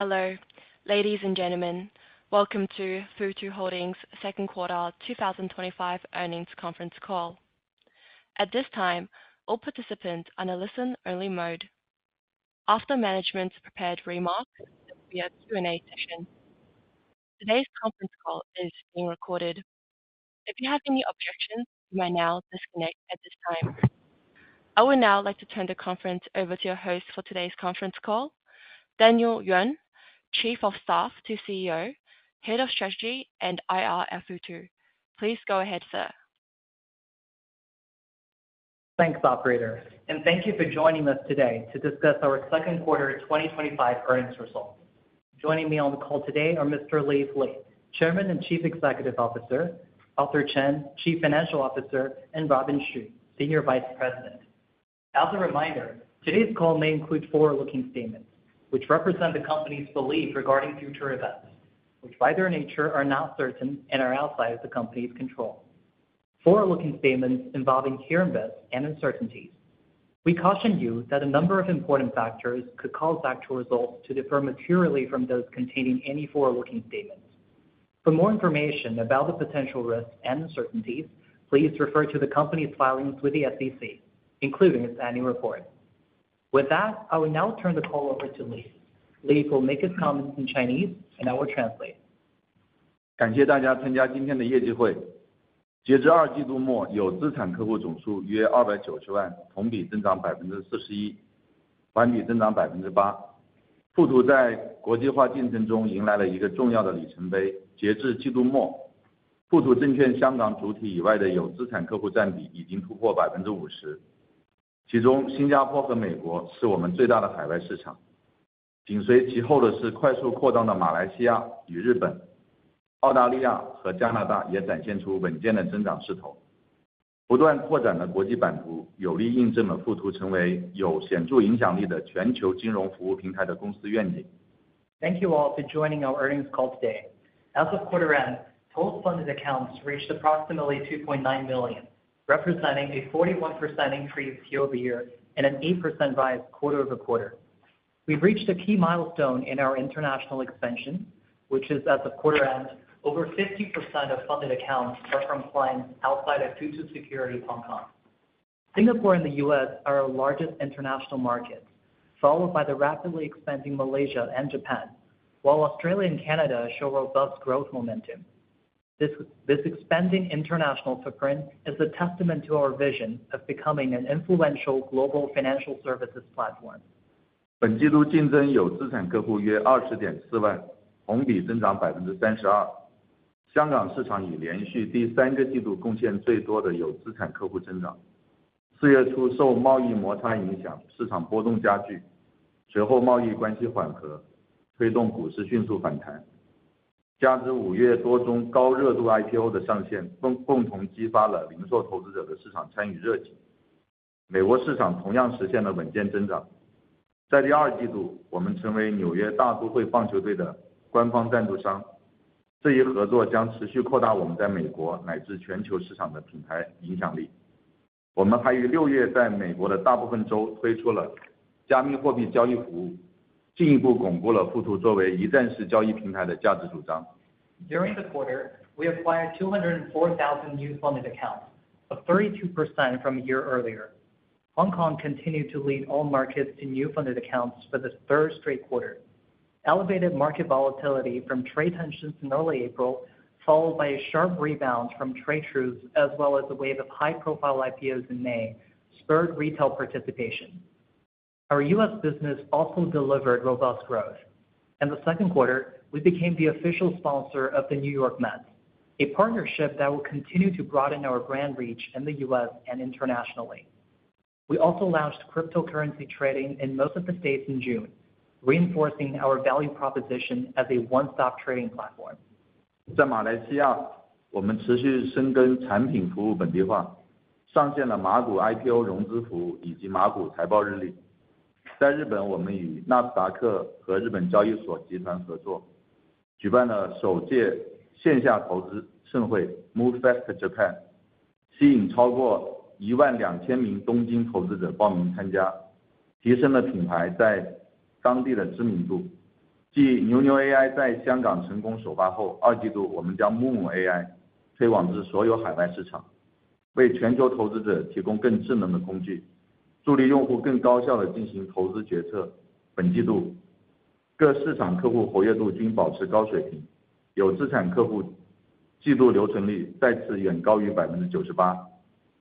Hello, ladies and gentlemen. Welcome to Futu Holdings' second quarter 2025 earnings conference call. At this time, all participants are in a listen-only mode. After management's prepared remarks, we have a Q&A session. Today's conference call is being recorded. If you have any objections, you may now disconnect at this time. I would now like to turn the conference over to our host for today's conference call, Jingyu (Daniel) Yuan, Chief of Staff to CEO, Head of Strategy, and IR at Futu. Please go ahead, sir. Thanks, operator, and thank you for joining us today to discuss our second quarter 2025 earnings results. Joining me on the call today are Mr. Leaf Hua Li, Chairman and Chief Executive Officer; Arthur Chen, Chief Financial Officer; and Robin Li Xu, Senior Vice President. As a reminder, today's call may include forward-looking statements, which represent the company's belief regarding future events, which by their nature are not certain and are outside of the company's control. Forward-looking statements involve inherent risks and uncertainties. We caution you that a number of important factors could cause actual results to differ materially from those containing any forward-looking statements. For more information about the potential risks and uncertainties, please refer to the company's filings with the SEC, including its annual report. With that, I will now turn the call over to Leaf. Leaf will make his comments in Chinese, and I will translate. 感谢大家参加今天的业绩会。截至二季度末，有资产客户总数约290万，同比增长41%，环比增长8%。Futu在国际化竞争中迎来了一个重要的里程碑。截至季度末，Futu Securities Hong Kong主体以外的有资产客户占比已经突破50%，其中新加坡和美国是我们最大的海外市场。紧随其后的是快速扩张的马来西亚与日本，澳大利亚和加拿大也展现出稳健的增长势头。不断扩展的国际版图有力印证了Futu成为有显著影响力的全球金融服务平台的公司愿景。Thank you all for joining our earnings call today. As of quarter-end, both funded accounts reached approximately $2.9 million, representing a 41% increase year-over-year and an 8% rise quarter-over-quarter. We've reached a key milestone in our international expansion, which is at the quarter-end, over 50% of funded accounts are from clients outside of Futu Securities Hong Kong. Singapore and the U.S. are our largest international markets, followed by the rapidly expanding Malaysia and Japan, while Australia and Canada show robust growth momentum. This expanding international footprint is a testament to our vision of becoming an influential global financial services platform. 本季度净增有资产客户约20.4万, 同比增长32%。香港市场已连续第三个季度贡献最多的有资产客户增长。4月初受贸易摩擦影响, 市场波动加剧, 随后贸易关系缓和, 推动股市迅速反弹。加之5月多宗高热度IPO的上线, 共同激发了零售投资者的市场参与热情, 美国市场同样实现了稳健增长。在第二季度, 我们成为New York Mets棒球队的官方赞助商。这一合作将持续扩大我们在美国乃至全球市场的品牌影响力。我们还于6月在美国的大部分州推出了加密货币交易服务, 进一步巩固了Futu作为一站式交易平台的价值主张。During the quarter, we acquired 204,000 new funded accounts, a 32% increase from a year earlier. Hong Kong continued to lead all markets in new funded accounts for the third straight quarter. Elevated market volatility from trade tensions in early April, followed by a sharp rebound from trade truces, as well as a wave of high-profile IPOs in May, spurred retail participation. Our U.S. business also delivered robust growth. In the second quarter, we became the official sponsor of the New York Mets, a partnership that will continue to broaden our brand reach in the U.S. and internationally. We also launched cryptocurrency trading in most of the states in June, reinforcing our value proposition as a one-stop trading platform. 在马来西亚, 我们持续深耕产品服务本地化, 上线了马股IPO融资服务以及马股财报日历。在日本, 我们与纳斯达克和日本交易所集团合作, 举办了首届线下投资盛会MoveFest Japan, 吸引超过12,000名东京投资者报名参加, 提升了品牌在当地的知名度。继FutuBull AI在香港成功首发后, 二季度我们将Moomoo AI推广至所有海外市场, 为全球投资者提供更智能的工具, 助力用户更高效地进行投资决策。本季度各市场客户活跃度均保持高水平, 有资产客户季度留存率再次远高于98%,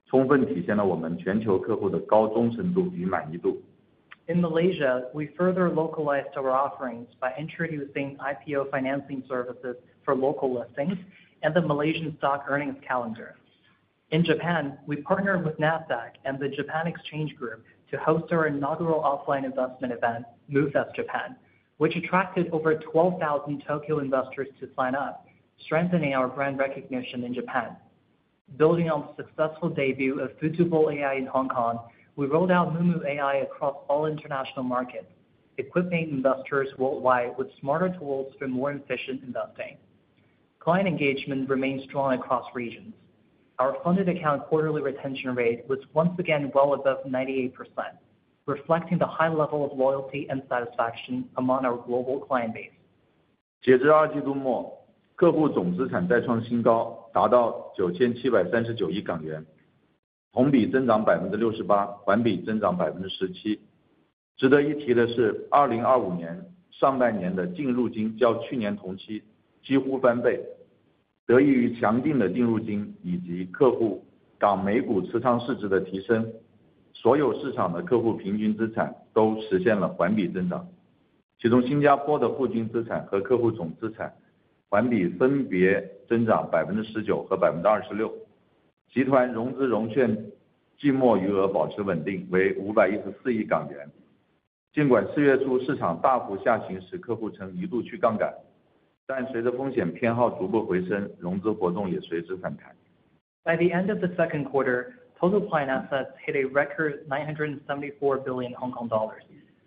充分体现了我们全球客户的高忠诚度与满意度。In Malaysia, we further localized our offerings by introducing IPO financing services for local listings and the Malaysian stock earnings calendar. In Japan, we partnered with Nasdaq and the Japan Stock Exchange to host our inaugural offline investment event, MoveFest Japan, which attracted over 12,000 Tokyo investors to sign up, strengthening our brand recognition in Japan. Building on the successful debut of FutuBull AI in Hong Kong, we rolled out Moomoo AI across all international markets, equipping investors worldwide with smarter tools for more efficient investing. Client engagement remained strong across regions. Our funded account quarterly retention rate was once again well above 98%, reflecting the high level of loyalty and satisfaction among our global client base. 截至二季度末，客户总资产再创新高，达到HKD 973.9 billion，同比增长68%，环比增长17%。值得一提的是，2025年上半年的净入金较去年同期几乎翻倍，得益于强劲的净入金以及客户港美股持仓市值的提升。所有市场的客户平均资产都实现了环比增长，其中新加坡的固定资产和客户总资产环比分别增长19%和26%。集团融资融券季末余额保持稳定，为HKD 51.4 billion。尽管四月初市场大幅下行时客户曾一度去杠杆，但随着风险偏好逐步回升，融资活动也随之反弹。By the end of the second quarter, total client assets hit a record $974 billion HKD,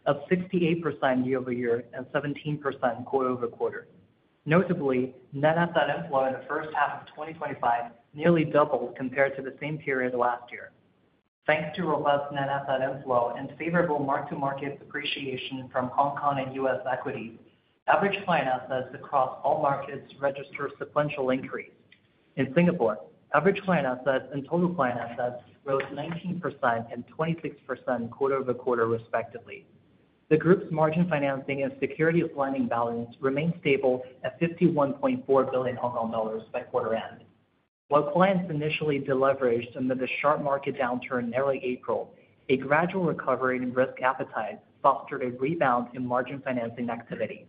up 68% year-over-year and 17% quarter-over-quarter. Notably, net asset inflow in the first half of 2024 nearly doubled compared to the same period last year. Thanks to robust net asset inflow and favorable mark-to-market appreciation from Hong Kong and U.S. equities, average client assets across all markets registered a sequential increase. In Singapore, average client assets and total client assets rose 19% and 26% quarter-over-quarter, respectively. The group's margin financing and securities lending balance remained stable at $51.4 billion HKD by quarter-end. While clients initially deleveraged amid the sharp market downturn in early April, a gradual recovery in risk appetite fostered a rebound in margin financing activity.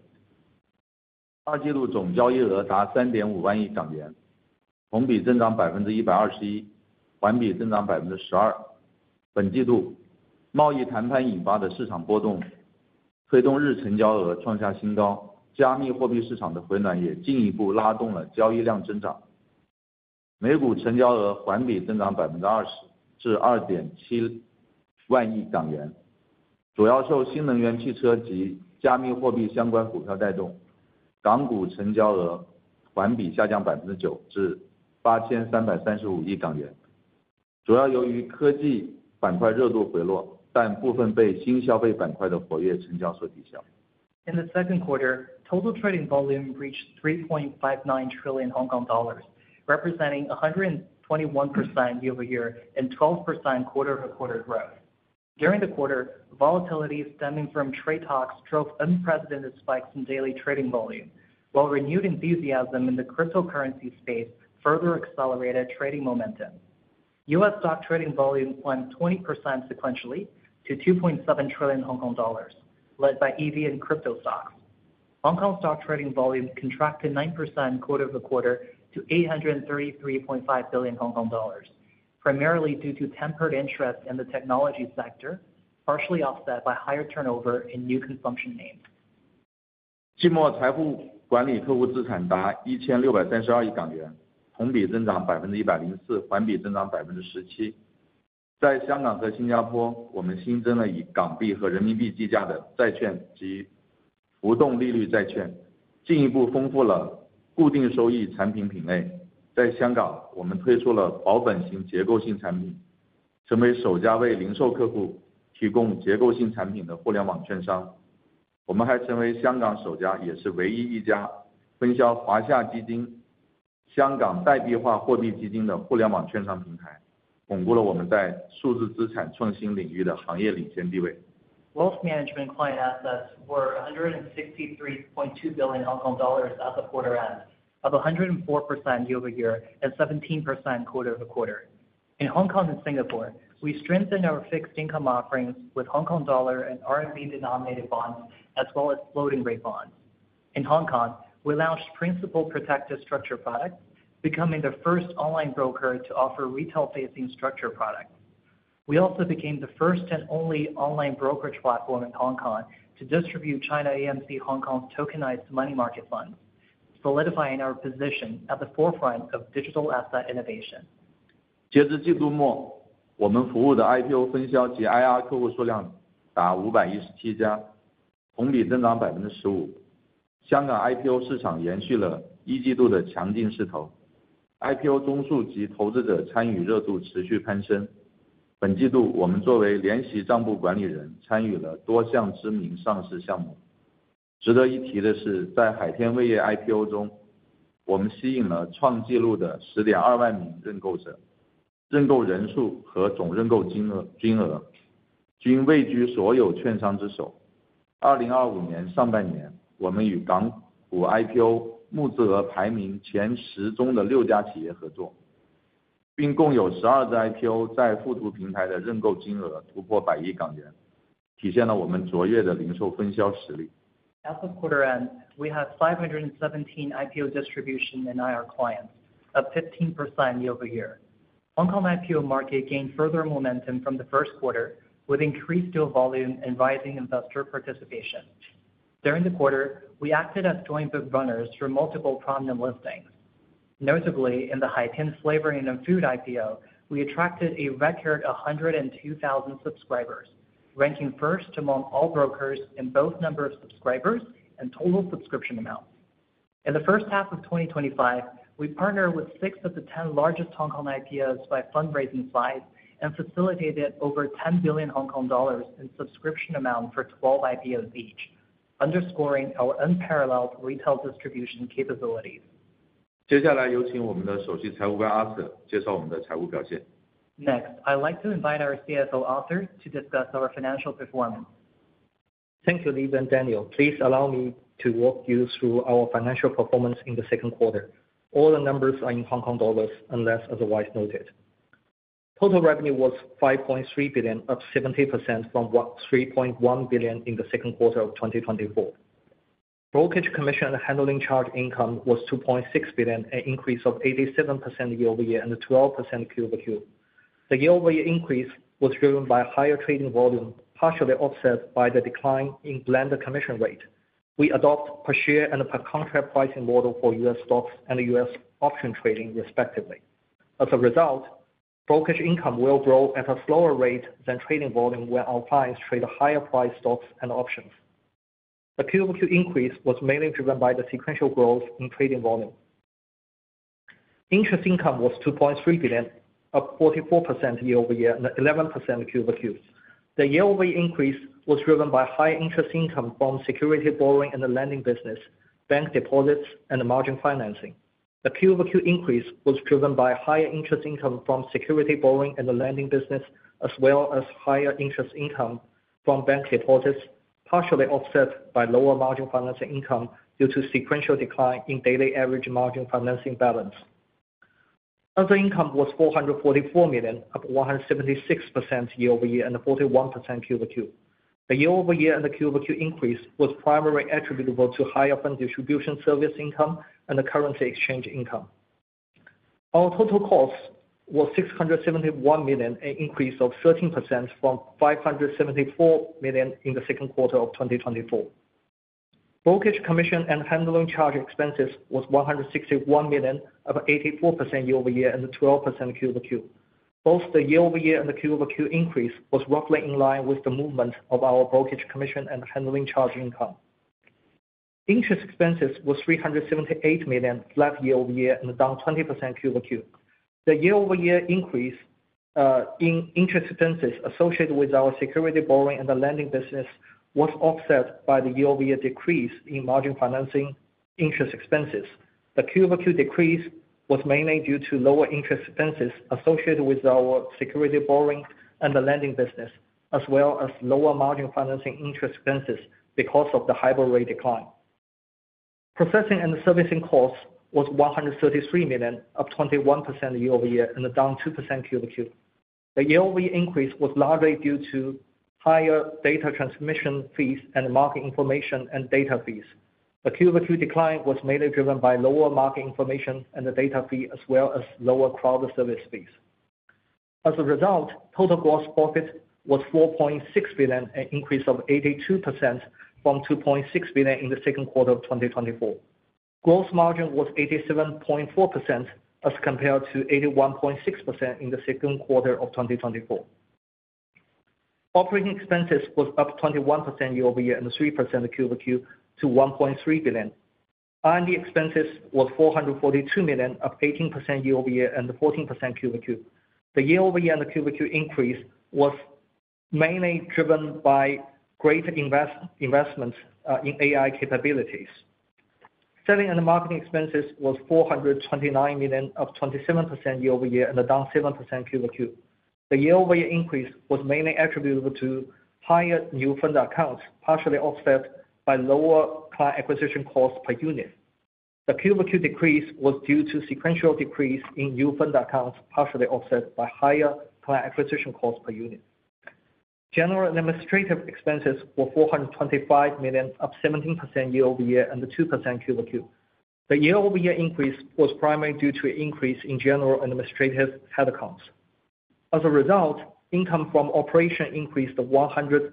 active trading in the new consumer sector. In the second quarter, total trading volume reached $3.59 trillion HKD, representing 121% year-over-year and 12% quarter-over-quarter growth. During the quarter, volatility stemming from trade talks drove unprecedented spikes in daily trading volume, while renewed enthusiasm in the cryptocurrency space further accelerated trading momentum. U.S. stock trading volume climbed 20% sequentially to $2.7 trillion HKD, led by EV and crypto stock. Hong Kong stock trading volume contracted 9% quarter-over-quarter to $833.5 billion HKD, primarily due to tempered interest in the technology sector, partially offset by higher turnover in new consumption names. funds, consolidating our industry-leading position in digital asset innovation. Wealth management client assets were $163.2 billion HKD as of quarter-end, up 104% year-over-year and 17% quarter-over-quarter. In Hong Kong and Singapore, we strengthened our fixed income offerings with HKD and RMB denominated bonds, as well as floating-rate bonds. In Hong Kong, we launched principal protected structured products, becoming the first online broker to offer retail-facing structured products. We also became the first and only online brokerage platform in Hong Kong to distribute China AMC Hong Kong tokenized money market funds, solidifying our position at the forefront of digital asset innovation. 截至季度末，我们服务的IPO分销及IR客户数量达517家，同比增长15%。香港IPO市场延续了一季度的强劲势头，IPO宗数及投资者参与热度持续攀升。本季度我们作为联席账簿管理人参与了多项知名上市项目。值得一提的是，在海天味业IPO中，我们吸引了创纪录的10.2万名认购者，认购人数和总认购金额均位居所有券商之首。2025年上半年，我们与港股IPO募资额排名前十中的六家企业合作，并共有12个IPO在富途平台的认购金额突破HKD 10 billion，体现了我们卓越的零售分销实力。As of quarter-end, we had 517 IPO distribution and IR clients, up 15% year-over-year. The Hong Kong IPO market gained further momentum from the first quarter, with increased deal volume and rising investor participation. During the quarter, we acted as joint book runners for multiple prominent listings. Notably, in the Hai Tin Flavoring and Food IPO, we attracted a record 102,000 subscribers, ranking first among all brokers in both number of subscribers and total subscription amount. In the first half of 2025, we partnered with six of the ten largest Hong Kong IPOs by fundraising size and facilitated over 10 billion Hong Kong dollars in subscription amount for 12 IPOs each, underscoring our unparalleled retail distribution capabilities. 接下来有请我们的首席财务官Arthur介绍我们的财务表现。Next, I'd like to invite our CFO Arthur Chen to discuss our financial performance. Thank you, Leaf and Daniel. Please allow me to walk you through our financial performance in the second quarter. All the numbers are in HKD unless otherwise noted. Total revenue was $5.3 billion, up 70% from $3.1 billion in the second quarter of 2024. Brokerage commission and handling charge income was $2.6 billion, an increase of 87% year-over-year and 12% quarter-over-quarter. The year-over-year increase was driven by higher trading volume, partially offset by the decline in blended commission rate. We adopt a per-share and per-contract pricing model for U.S. stocks and U.S. option trading, respectively. As a result, brokerage income will grow at a slower rate than trading volume when our clients trade higher-priced stocks and options. The Q2 increase was mainly driven by the sequential growth in trading volume. Interest income was $2.3 billion, up 44% year-over-year and 11% quarter-over-quarter. The year-over-year increase was driven by high interest income from securities borrowing and the lending business, bank deposits, and margin financing. The Q2 increase was driven by higher interest income from securities borrowing and the lending business, as well as higher interest income from bank deposits, partially offset by lower margin financing income due to sequential decline in daily average margin financing balance. Other interest income was $444 million, up 176% year-over-year and 41% quarter-over-quarter. The year-over-year and the quarter-over-quarter increase was primarily attributable to higher fund distribution service income and the currency exchange income. Our total cost was $671 million, an increase of 13% from $574 million in the second quarter of 2024. Brokerage commission and handling charge expenses were $161 million, up 84% year-over-year and 12% quarter-over-quarter. Both the year-over-year and the quarter-over-quarter increase were roughly in line with the movement of our brokerage commission and handling charge income. Interest expenses were $378 million, flat year-over-year and down 20% quarter-over-quarter. The year-over-year increase in interest expenses associated with our securities borrowing and the lending business was offset by the year-over-year decrease in margin financing interest expenses. The quarter-over-quarter decrease was mainly due to lower interest expenses associated with our securities borrowing and the lending business, as well as lower margin financing interest expenses because of the hybrid rate decline. Processing and servicing cost was $133 million, up 21% year-over-year and down 2% quarter-over-quarter. The year-over-year increase was largely due to higher data transmission fees and market information and data fees. The Q2 decline was mainly driven by lower market information and data fee, as well as lower cloud service fees. As a result, total gross profit was $4.6 billion, an increase of 82% from $2.6 billion in the second quarter of 2024. Gross margin was 87.4% as compared to 81.6% in the second quarter of 2024. Operating expenses were up 21% year-over-year and 3% Q2 to $1.3 billion. R&D expenses were $442 million, up 18% year-over-year and 14% Q2. The year-over-year and Q2 increase were mainly driven by greater investments in AI capabilities. Selling and marketing expenses were $429 million, up 27% year-over-year and down 7% Q2. The year-over-year increase was mainly attributable to higher new funded accounts, partially offset by lower client acquisition costs per unit. The Q2 decrease was due to sequential decrease in new funded accounts, partially offset by higher client acquisition costs per unit. General and administrative expenses were $425 million, up 17% year-over-year and 2% Q2. The year-over-year increase was primarily due to an increase in general and administrative headcounts. As a result, income from operations increased 126%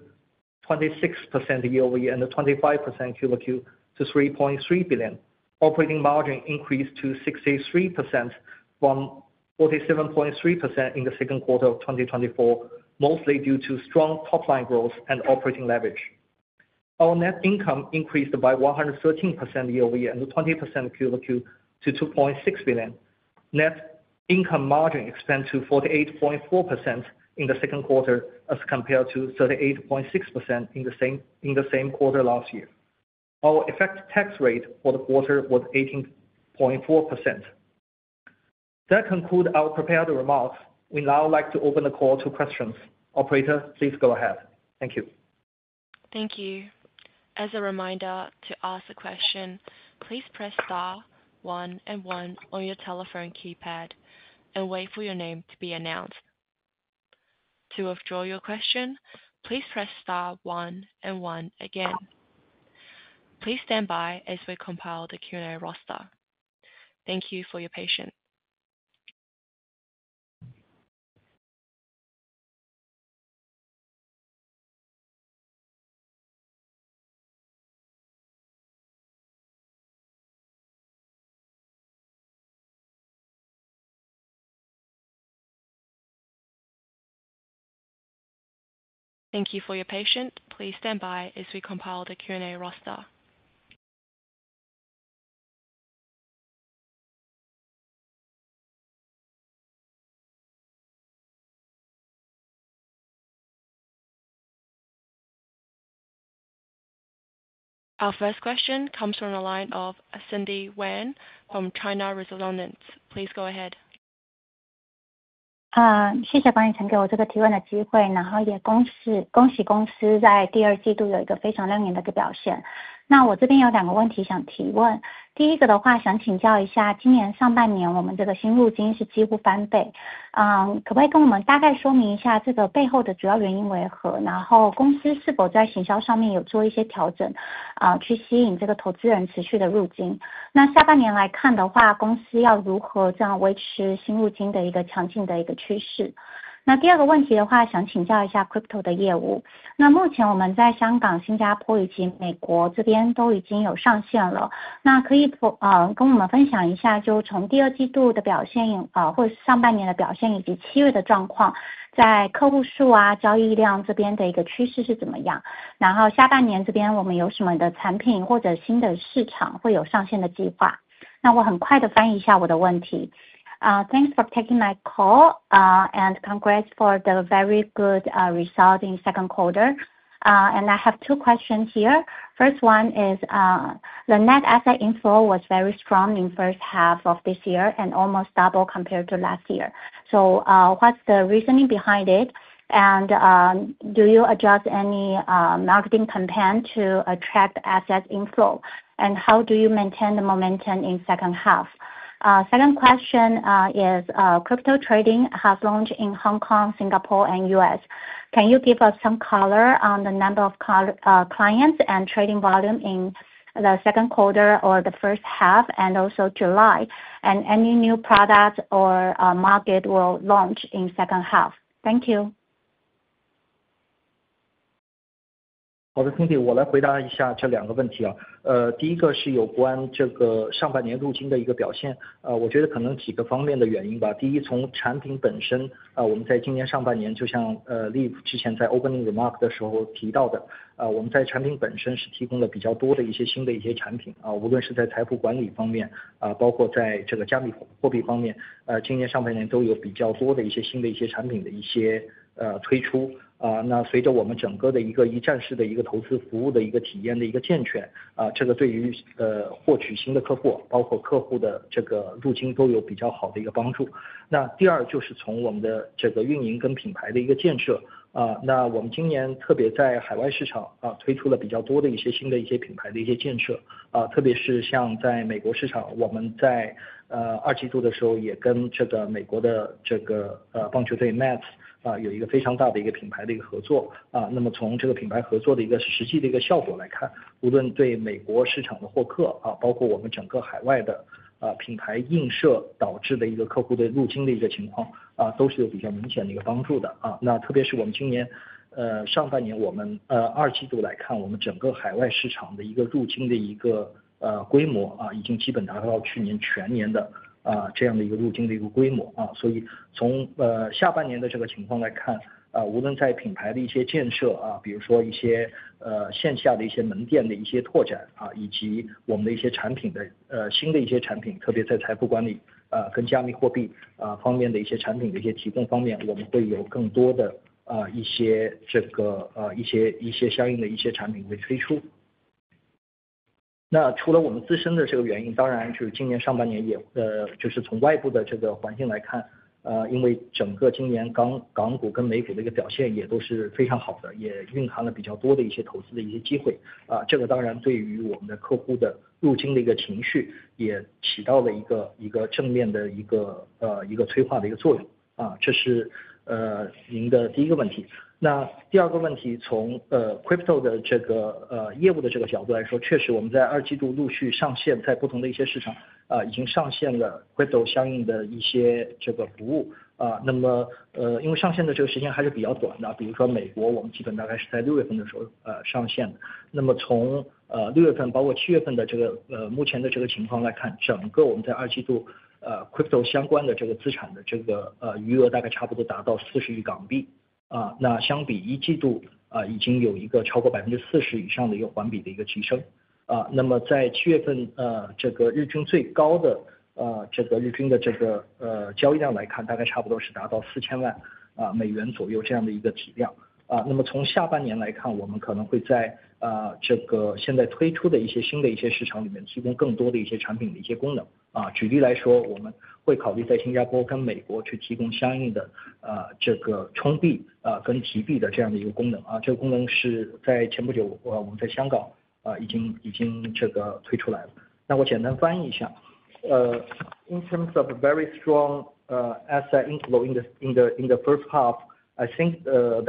year-over-year and 25% Q2 to $3.3 billion. Operating margin increased to 63% from 47.3% in the second quarter of 2024, mostly due to strong top-line growth and operating leverage. Our net income increased by 113% year-over-year and 20% Q2 to $2.6 billion. Net income margin expanded to 48.4% in the second quarter, as compared to 38.6% in the same quarter last year. Our effective tax rate for the quarter was 18.4%. That concludes our prepared remarks. We now like to open the call to questions. Operator, please go ahead. Thank you. Thank you. As a reminder, to ask a question, please press star one and one on your telephone keypad and wait for your name to be announced. To withdraw your question, please press star one and one again. Please stand by as we compile the Q&A roster. Thank you for your patience. Please stand by as we compile the Q&A roster. Our first question comes from the line of Cindy Wang from China Renaissance. Please go ahead. thanks for taking my call, and congrats for the very good, result in the second quarter. I have two questions here. First one is, the net asset inflow was very strong in the first half of this year and almost doubled compared to last year. What's the reasoning behind it? Do you adjust any, marketing campaign to attract asset inflow? How do you maintain the momentum in the second half? Second question is, Crypto trading has launched in Hong Kong, Singapore, and the US. Can you give us some color on the number of clients and trading volume in the second quarter or the first half and also July? Any new product or market will launch in the second half? Thank you. 好的, 陈姐, 我来回答一下这两个问题。第一个是有关这个上半年入金的一个表现, 我觉得可能几个方面的原因吧。第一, 从产品本身, 我们在今年上半年就像 Leaf 之前在 opening remark 的时候提到的, 我们在产品本身是提供了比较多的一些新的一些产品, 无论是在财富管理方面, 包括在这个加密货币方面, 今年上半年都有比较多的一些新的一些产品的一些推出, 那随着我们整个的一个一站式的一个投资服务的一个体验的一个健全, 这个对于获取新的客户, 包括客户的这个入金都有比较好的一个帮助。第二就是从我们的这个运营跟品牌的一个建设, 那我们今年特别在海外市场, 推出了比较多的一些新的一些品牌的一些建设, 特别是像在美国市场, 我们在二季度的时候也跟美国的棒球队 New York Mets, 有一个非常大的一个品牌的一个合作, 那么从这个品牌合作的一个实际的一个效果来看, 无论对美国市场的获客, 包括我们整个海外的品牌映射导致的一个客户的入金的一个情况, 都是有比较明显的一个帮助的, 特别是我们今年上半年我们二季度来看, 我们整个海外市场的一个入金的规模, 已经基本达到去年全年的这样的一个入金的规模, 所以下半年的这个情况来看, 无论在品牌的一些建设, 比如说一些线下的一些门店的一些拓展, 以及我们的一些产品的新的一些产品, 特别在财富管理, 跟加密货币, 方面的一些产品的一些提供方面, 我们会有更多的一些相应的一些产品会推出。那除了我们自身的这个原因, 当然就是今年上半年也就是从外部的这个环境来看, 因为整个今年港股跟美股的一个表现也都是非常好的, 也蕴含了比较多的一些投资的一些机会, 这个当然对于我们的客户的入金的一个情绪也起到了一个正面的一个催化的一个作用, 这是您的第一个问题。第二个问题, 从 Crypto 的这个业务的这个角度来说, 确实我们在二季度陆续上线在不同的一些市场, 已经上线了 Crypto 相应的一些服务, 那么因为上线的这个时间还是比较短的, 比如说美国我们基本大概是在六月份的时候上线的。那么从六月份包括七月份的目前的这个情况来看, 整个我们在二季度 Crypto 相关的这个资产的余额大概差不多达到 HKD 4.0 billion, 那相比一季度, 已经有一个超过 40% 以上的有环比的一个提升, 那么在七月份日均最高的日均的交易量来看, 大概差不多是达到 $40 million 左右这样的一个体量, 那么从下半年来看, 我们可能会在现在推出的一些新的一些市场里面提供更多的一些产品的一些功能, 举例来说, 我们会考虑在新加坡跟美国去提供相应的充币, 跟提币的这样的一个功能, 这个功能是在前不久我们在香港, 已经已经推出来了。那我简单翻译一下, in terms of a very strong asset inflow in the in the in the first half, I think the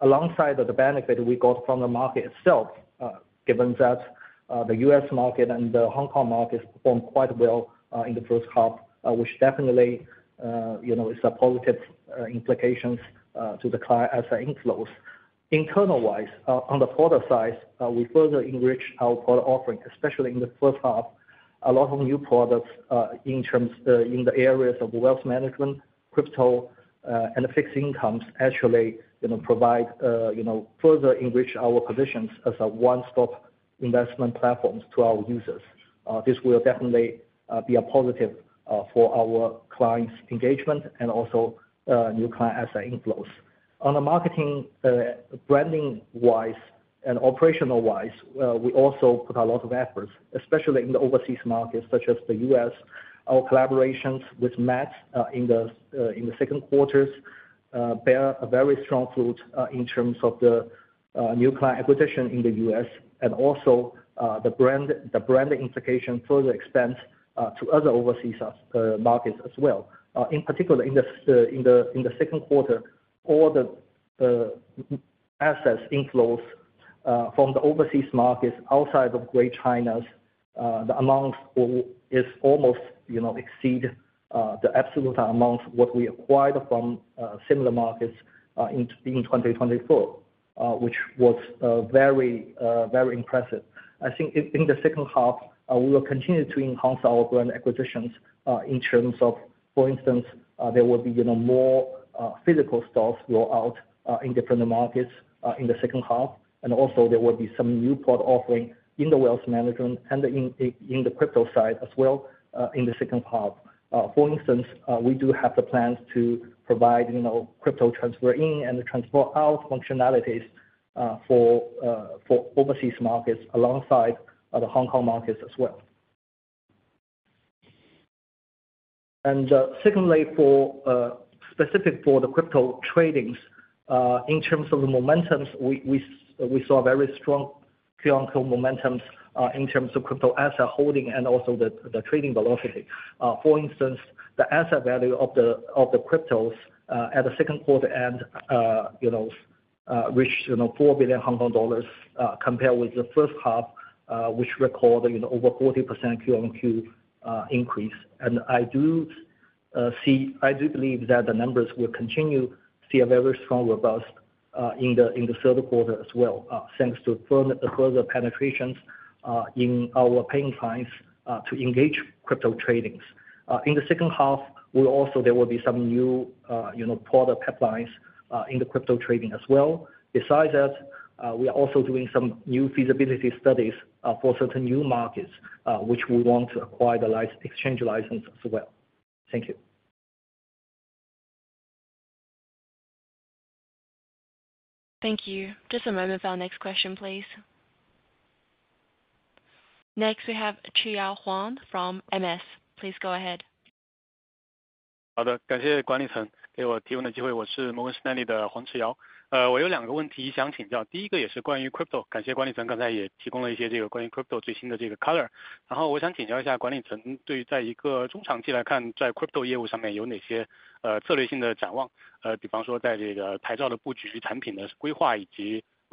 alongside of the benefit we got from the market itself, given that the U.S. market and the Hong Kong markets performed quite well in the first half, which definitely you know is a positive implications to the client asset inflows. Internal-wise, on the product side, we further enrich our product offering, especially in the first half. A lot of new products in terms in the areas of wealth management, crypto and fixed incomes actually you know provide you know further enrich our positions as a one-stop investment platform to our users. this will definitely be a positive for our clients' engagement and also new client asset inflows. On the marketing branding-wise and operational-wise, we also put a lot of efforts, especially in the overseas markets such as the U.S. Our collaborations with New York Mets in the second quarters bear a very strong fruit in terms of the new client acquisition in the U.S. and also the brand the brand implication further expands to other overseas markets as well. In particular, in the second quarter, all the asset inflows from the overseas markets outside of Greater China, the amount almost exceeded the absolute amount we acquired from similar markets in 2024, which was very impressive. I think in the second half, we will continue to enhance our brand acquisitions. For instance, there will be more physical stalls rolled out in different markets in the second half, and there will be some new product offerings in the wealth management and in the crypto side as well in the second half. For instance, we do have plans to provide crypto transfer in and transfer out functionalities for overseas markets alongside the Hong Kong markets as well. Secondly, specific for the crypto trading, in terms of the momentum, we saw very strong Q1 momentum in terms of crypto asset holding and also the trading velocity. For instance, the asset value of the cryptos at the second quarter end reached 4 billion Hong Kong dollars compared with the first half, which recorded over 40% Q1 increase. I do believe that the numbers will continue to be very strong, robust in the third quarter as well, thanks to further penetration in our paying clients to engage crypto trading. In the second half, there will be some new product pipelines in the crypto trading as well. Besides that, we are also doing some new feasibility studies for certain new markets which we want to acquire the exchange license as well. Thank you. Thank you. Just a moment for our next question, please. Next, we have Chiyao Huang from Morgan Stanley. Please go ahead. 好的, 感谢管理层给我提供的机会。我是 MoveFest Nany 的黄志尧。我有两个问题想请教, 第一个也是关于 Crypto,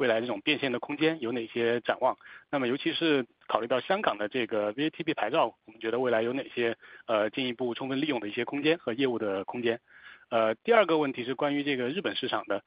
感谢管理层刚才也提供了一些这个关于 Crypto 最新的这个 color, 然后我想请教一下管理层对于在一个中长期来看, 在 Crypto 业务上面有哪些策略性的展望, 比方说在这个牌照的布局、产品的规划以及未来这种变现的空间有哪些展望。尤其是考虑到香港的这个 VATP 牌照, 我们觉得未来有哪些进一步充分利用的一些空间和业务的空间。第二个问题是关于这个日本市场的,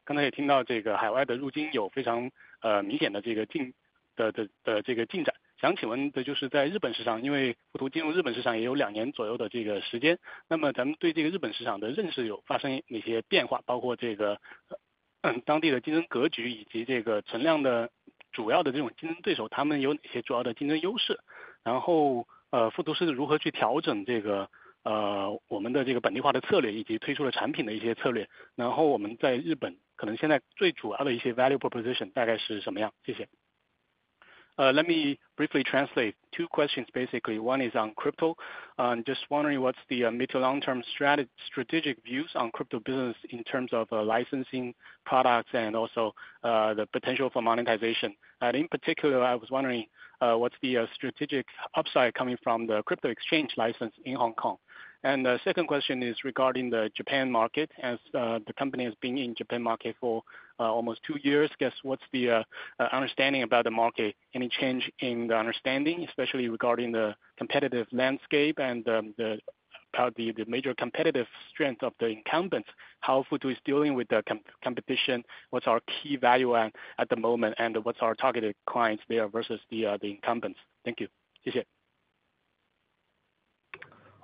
刚才也听到这个海外的入金有非常明显的这个进展。想请问的就是在日本市场, 因为富途进入日本市场也有两年左右的这个时间, 那么咱们对这个日本市场的认识有发生哪些变化, 包括这个当地的竞争格局以及这个存量的主要的这种竞争对手, 他们有哪些主要的竞争优势, 然后富途是如何去调整这个我们的这个本地化的策略以及推出的产品的一些策略, 然后我们在日本可能现在最主要的一些 value proposition 大概是什么样, 谢谢。Let me briefly translate two questions. Basically, one is on Crypto. I'm just wondering what's the mid to long-term strategic views on Crypto business in terms of licensing, products, and also the potential for monetization. In particular, I was wondering what's the strategic upside coming from the Crypto exchange license in Hong Kong. The second question is regarding the Japan market, as the company has been in the Japan market for almost two years. Guess what's the understanding about the market? Any change in the understanding, especially regarding the competitive landscape and probably the major competitive strength of the incumbents? How Futu is dealing with the competition, what's our key value at the moment, and what's our targeted clients there versus the incumbents? Thank you.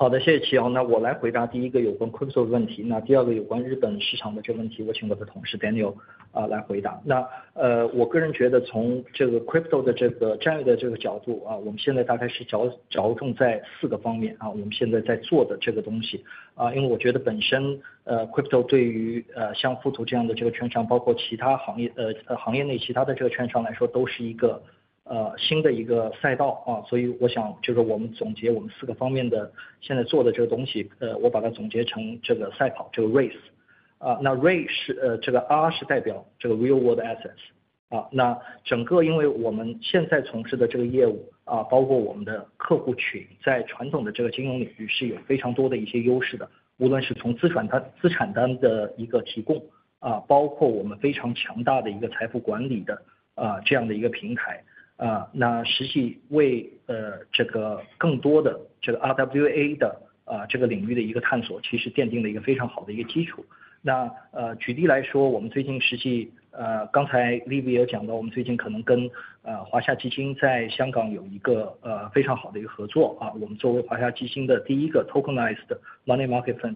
好的, 谢谢曲洋。那我来回答第一个有关 Crypto 的问题。第二个有关日本市场的问题, 我请我的同事 Daniel 来回答。我个人觉得从 Crypto 的战略角度, 我们现在大概是着重在四个方面, 我们现在在做的东西, 因为我觉得本身 Crypto 对于像富途这样的券商, 包括行业内其他的券商来说, 都是一个新的赛道。我想总结我们四个方面现在做的东西, 我把它总结成赛跑, race。R 是代表 real world assets, 因为我们现在从事的业务, 包括我们的客户群, 在传统金融领域是有非常多的优势, 无论是从资产端的提供, 包括我们非常强大的财富管理平台。实际为更多 RWA 领域的探索, 奠定了非常好的基础。举例来说, 我们最近刚才 Leaf 也有讲到, 我们最近跟华夏基金在香港有非常好的合作。我们作为华夏基金的第一个 tokenized money market fund,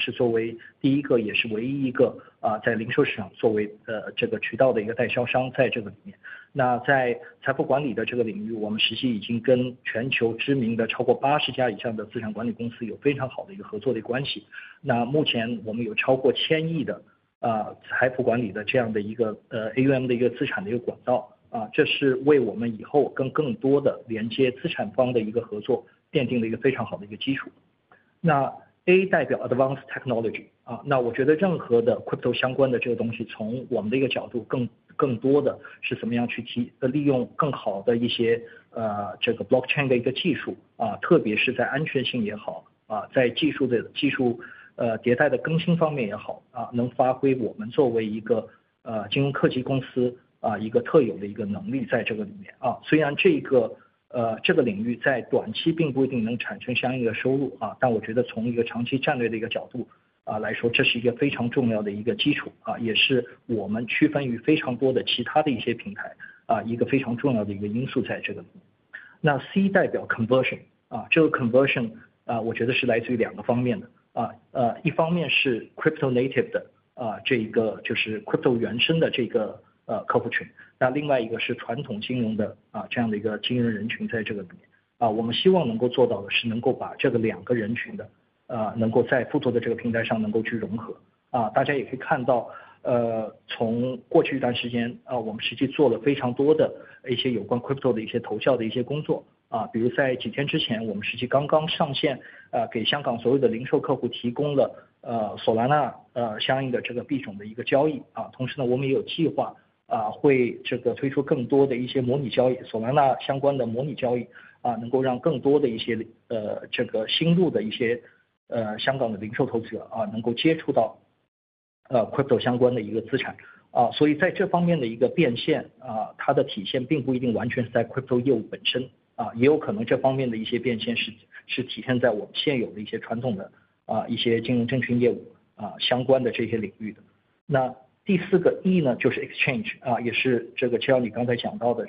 是作为第一个, 也是唯一一个在零售市场作为渠道的代销商在里面。在财富管理领域, 我们已经跟全球知名的超过 80 家以上的资产管理公司有非常好的合作关系。目前我们有超过千亿的财富管理 AUM 的资产管道, 这是为我们以后跟更多连接资产方的合作奠定了非常好的基础。A 代表 advanced technology, 我觉得任何 Crypto 相关的东西, 从我们的角度更多的是怎么样去利用更好的 blockchain 技术, 特别是在安全性也好, 在技术迭代更新方面也好, 能发挥我们作为金融科技公司的特有能力在里面。虽然这个领域在短期并不一定能产生相应的收入, 但我觉得从长期战略角度来说, 这是非常重要的基础, 也是我们区分于非常多其他平台非常重要的因素。C 代表 conversion, 这个 conversion 我觉得是来自于两个方面, 一方面是 Crypto native 的 Crypto 原生客户群, 另外一个是传统金融的金融人群。我们希望能够做到把这两个人群在富途的平台上融合。大家也可以看到, 从过去一段时间, 我们实际做了非常多有关 Crypto 的投效工作, 比如在几天之前, 我们刚刚上线给香港所有零售客户提供了 Solana 相应币种的交易。同时, 我们也有计划会推出更多模拟交易, Solana 相关的模拟交易, 能让更多新入的香港零售投资者能够接触到 Crypto 相关的资产。在这方面的变现, 体现并不一定完全是在 Crypto 业务本身, 也有可能这方面的变现体现在我们现有的一些传统金融证券业务相关领域。第四个 E 就是 exchange, 就像你刚才讲到的,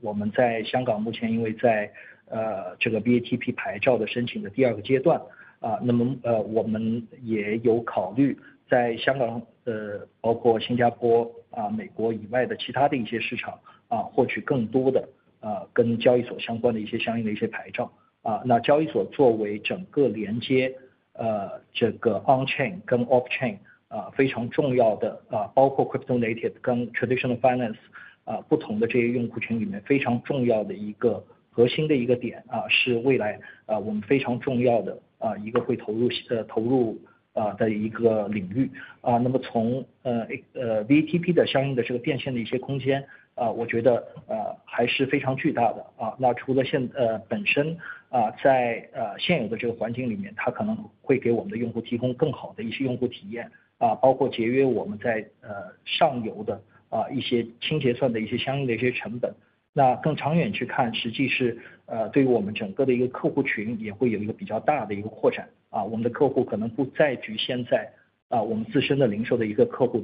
我们在香港目前因为在 VATP 牌照申请的第二个阶段, 我们也有考虑在香港、包括新加坡、美国以外的其他市场获取更多跟交易所相关的牌照。交易所作为整个连接 on-chain 跟 off-chain, 包括 Crypto native 跟 traditional finance 不同用户群里面非常重要的核心点, 是未来我们非常重要会投入的领域。从 VATP 的变现空间, 我觉得还是非常巨大。除了本身在现有环境里面可能会给我们的用户提供更好的用户体验, 包括节约我们在上游清结算的成本。更长远来看, 实际对于我们整个客户群也会有比较大的扩展, 我们的客户可能不再局限在我们自身的零售客户,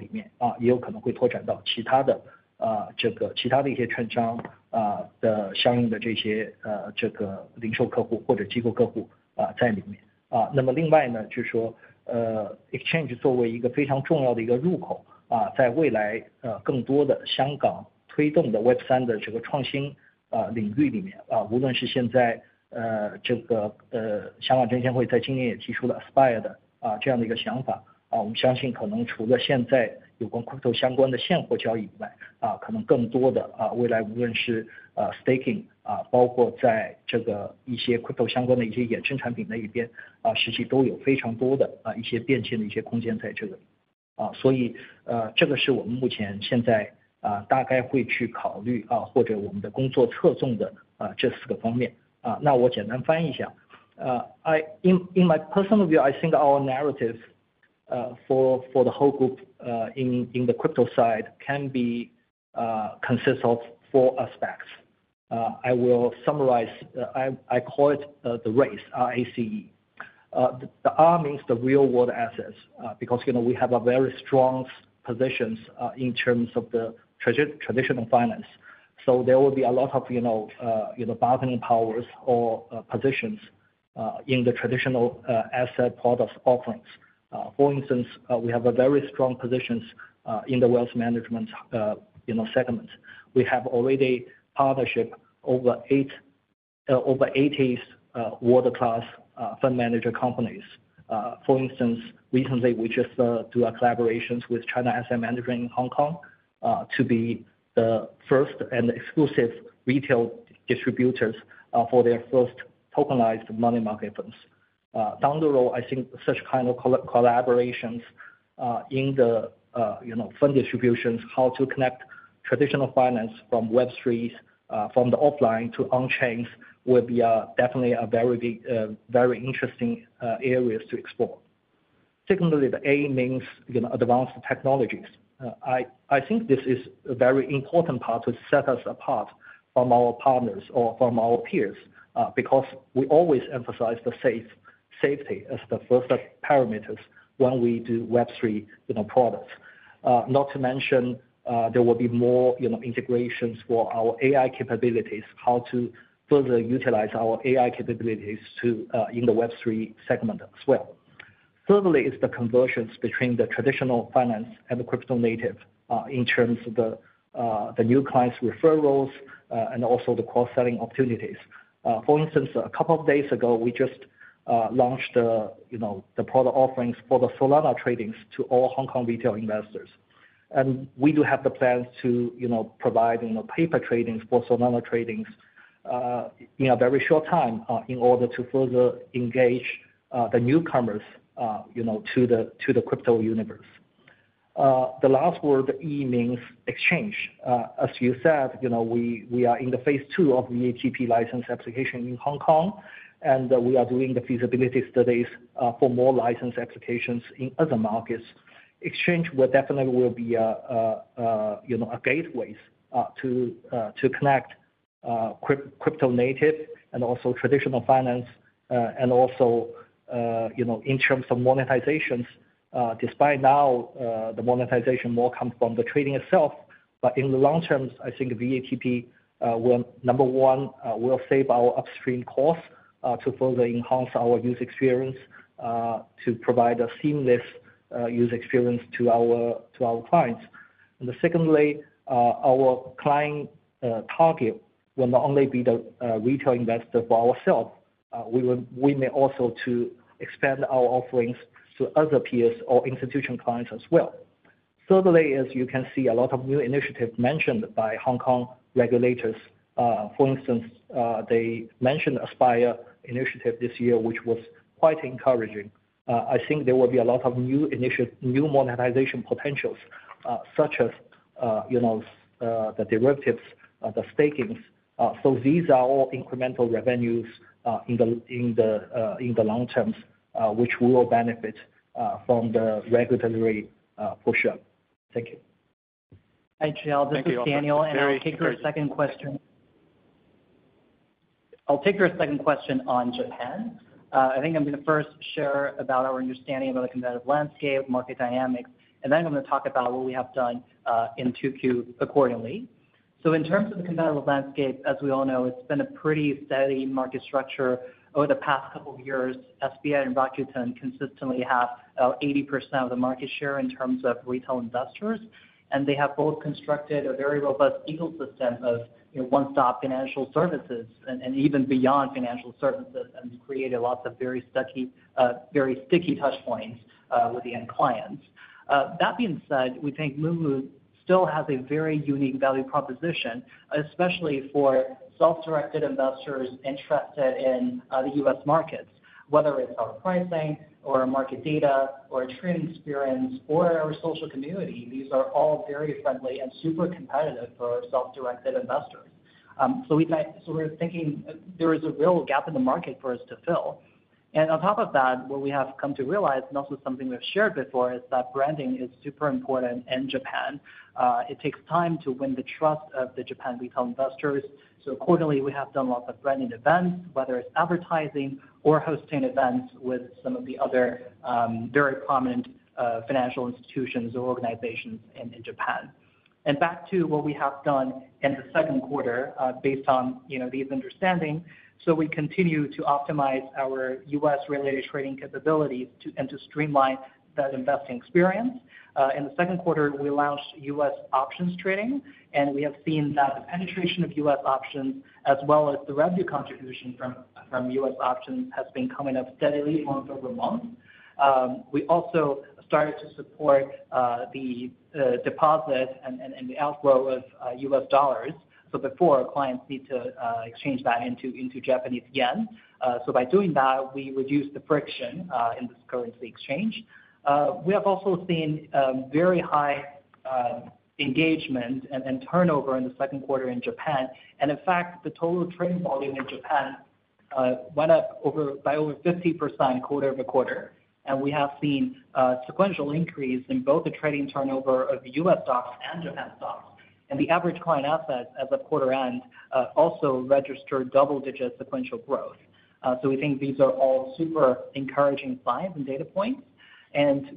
也有可能会拓展到其他券商的零售客户或者机构客户。另外, exchange 作为非常重要的入口, 在未来更多香港推动的 Web3 创新领域里面, 无论是现在香港证监会在今年也提出了 Aspire 的想法, 我们相信可能除了现在有关 Crypto 相关的现货交易以外, 未来无论是 staking, 包括在一些 Crypto 相关的衍生产品, 实际都有非常多变现空间。所以这是我们目前大概会去考虑或者工作侧重的四个方面。我简单翻译一下, I in in my personal view I think our narrative for for the whole group in in the Crypto side can be consists of four aspects I will summarize I I call it the race RACE the the R means the real world assets because you know we have a very strong positions in terms of the traditional finance so there will be a lot of you know you know bargaining powers or positions in the traditional asset products offerings for instance we have a very strong positions in the wealth management you know segment we have already partnership over eight over 80s world class fund manager companies for instance recently we just do our collaborations with China Asset Management in Hong Kong to be the first and exclusive retail distributors for their first tokenized money market funds down the road I think such kind of collaborations in the you know fund distributions how to connect traditional finance from Web3 from the offline to on chains will be definitely a very big very interesting areas to explore. Secondly, the A means advanced technologies. I think this is a very important part to set us apart from our partners or from our peers because we always emphasize the safety as the first parameters when we do Web3 products, not to mention there will be more integrations for our AI capabilities, how to further utilize our AI capabilities in the Web3 segment as well. Thirdly is the conversions between the traditional finance and the Crypto native in terms of the new clients referrals and also the cross-selling opportunities. For instance, a couple of days ago we just launched the product offerings for the Solana tradings to all Hong Kong retail investors, and we do have the plans to provide paper tradings for Solana tradings in a very short time in order to further engage the newcomers to the Crypto universe. The last word E means exchange. As you said, we are in the phase two of VATP license application in Hong Kong, and we are doing the feasibility studies for more license applications in other markets. Exchange will definitely be a gateway to connect Crypto native and also traditional finance, and also in terms of monetizations. Despite now the monetization more comes from the trading itself, in the long term I think VATP will, number one, save our upstream cost to further enhance our user experience, to provide a seamless user experience to our clients, and secondly, our client target will not only be the retail investor for ourselves, we may also expand our offerings to other peers or institution clients as well. Thirdly, as you can see, a lot of new initiatives mentioned by Hong Kong regulators, for instance they mentioned Aspire initiative this year which was quite encouraging. I think there will be a lot of new initiative, new monetization potentials such as the derivatives, the stakings, so these are all incremental revenues in the long term which will benefit from the regulatory push up. Thank you. Thank you. Daniel, I'll take your second question on Japan. I'm going to first share about our understanding about the competitive landscape, market dynamics, and then I'm going to talk about what we have done in the second quarter accordingly. In terms of the competitive landscape, as we all know, it's been a pretty steady market structure over the past couple of years. SBI and Rakuten consistently have about 80% of the market share in terms of retail investors, and they have both constructed a very robust ecosystem of one-stop financial services and even beyond financial services, and they created lots of very sticky, very sticky touchpoints with the end clients. That being said, we think Moomoo still has a very unique value proposition, especially for self-directed investors interested in the U.S. markets, whether it's our pricing or our market data or our trading experience or our social community. These are all very friendly and super competitive for self-directed investors. We're thinking there is a real gap in the market for us to fill. On top of that, what we have come to realize, and also something we've shared before, is that branding is super important in Japan. It takes time to win the trust of the Japan retail investors. Accordingly, we have done lots of branding events, whether it's advertising or hosting events with some of the other very prominent financial institutions or organizations in Japan. Back to what we have done in the second quarter based on these understandings, we continue to optimize our U.S.-related trading capabilities and to streamline that investing experience. In the second quarter, we launched U.S. options trading, and we have seen that the penetration of U.S. options, as well as the revenue contribution from U.S. options, has been coming up steadily over the month. We also started to support the deposit and the outflow of U.S. dollars. Before, clients needed to exchange that into Japanese yen. By doing that, we reduce the friction in going to the exchange. We have also seen very high engagement and turnover in the second quarter in Japan. In fact, the total trading volume in Japan went up by over 50% quarter over quarter. We have seen a sequential increase in both the trading turnover of U.S. stocks and Japan stocks. The average client assets as of quarter end also registered double-digit sequential growth. We think these are all super encouraging signs and data points.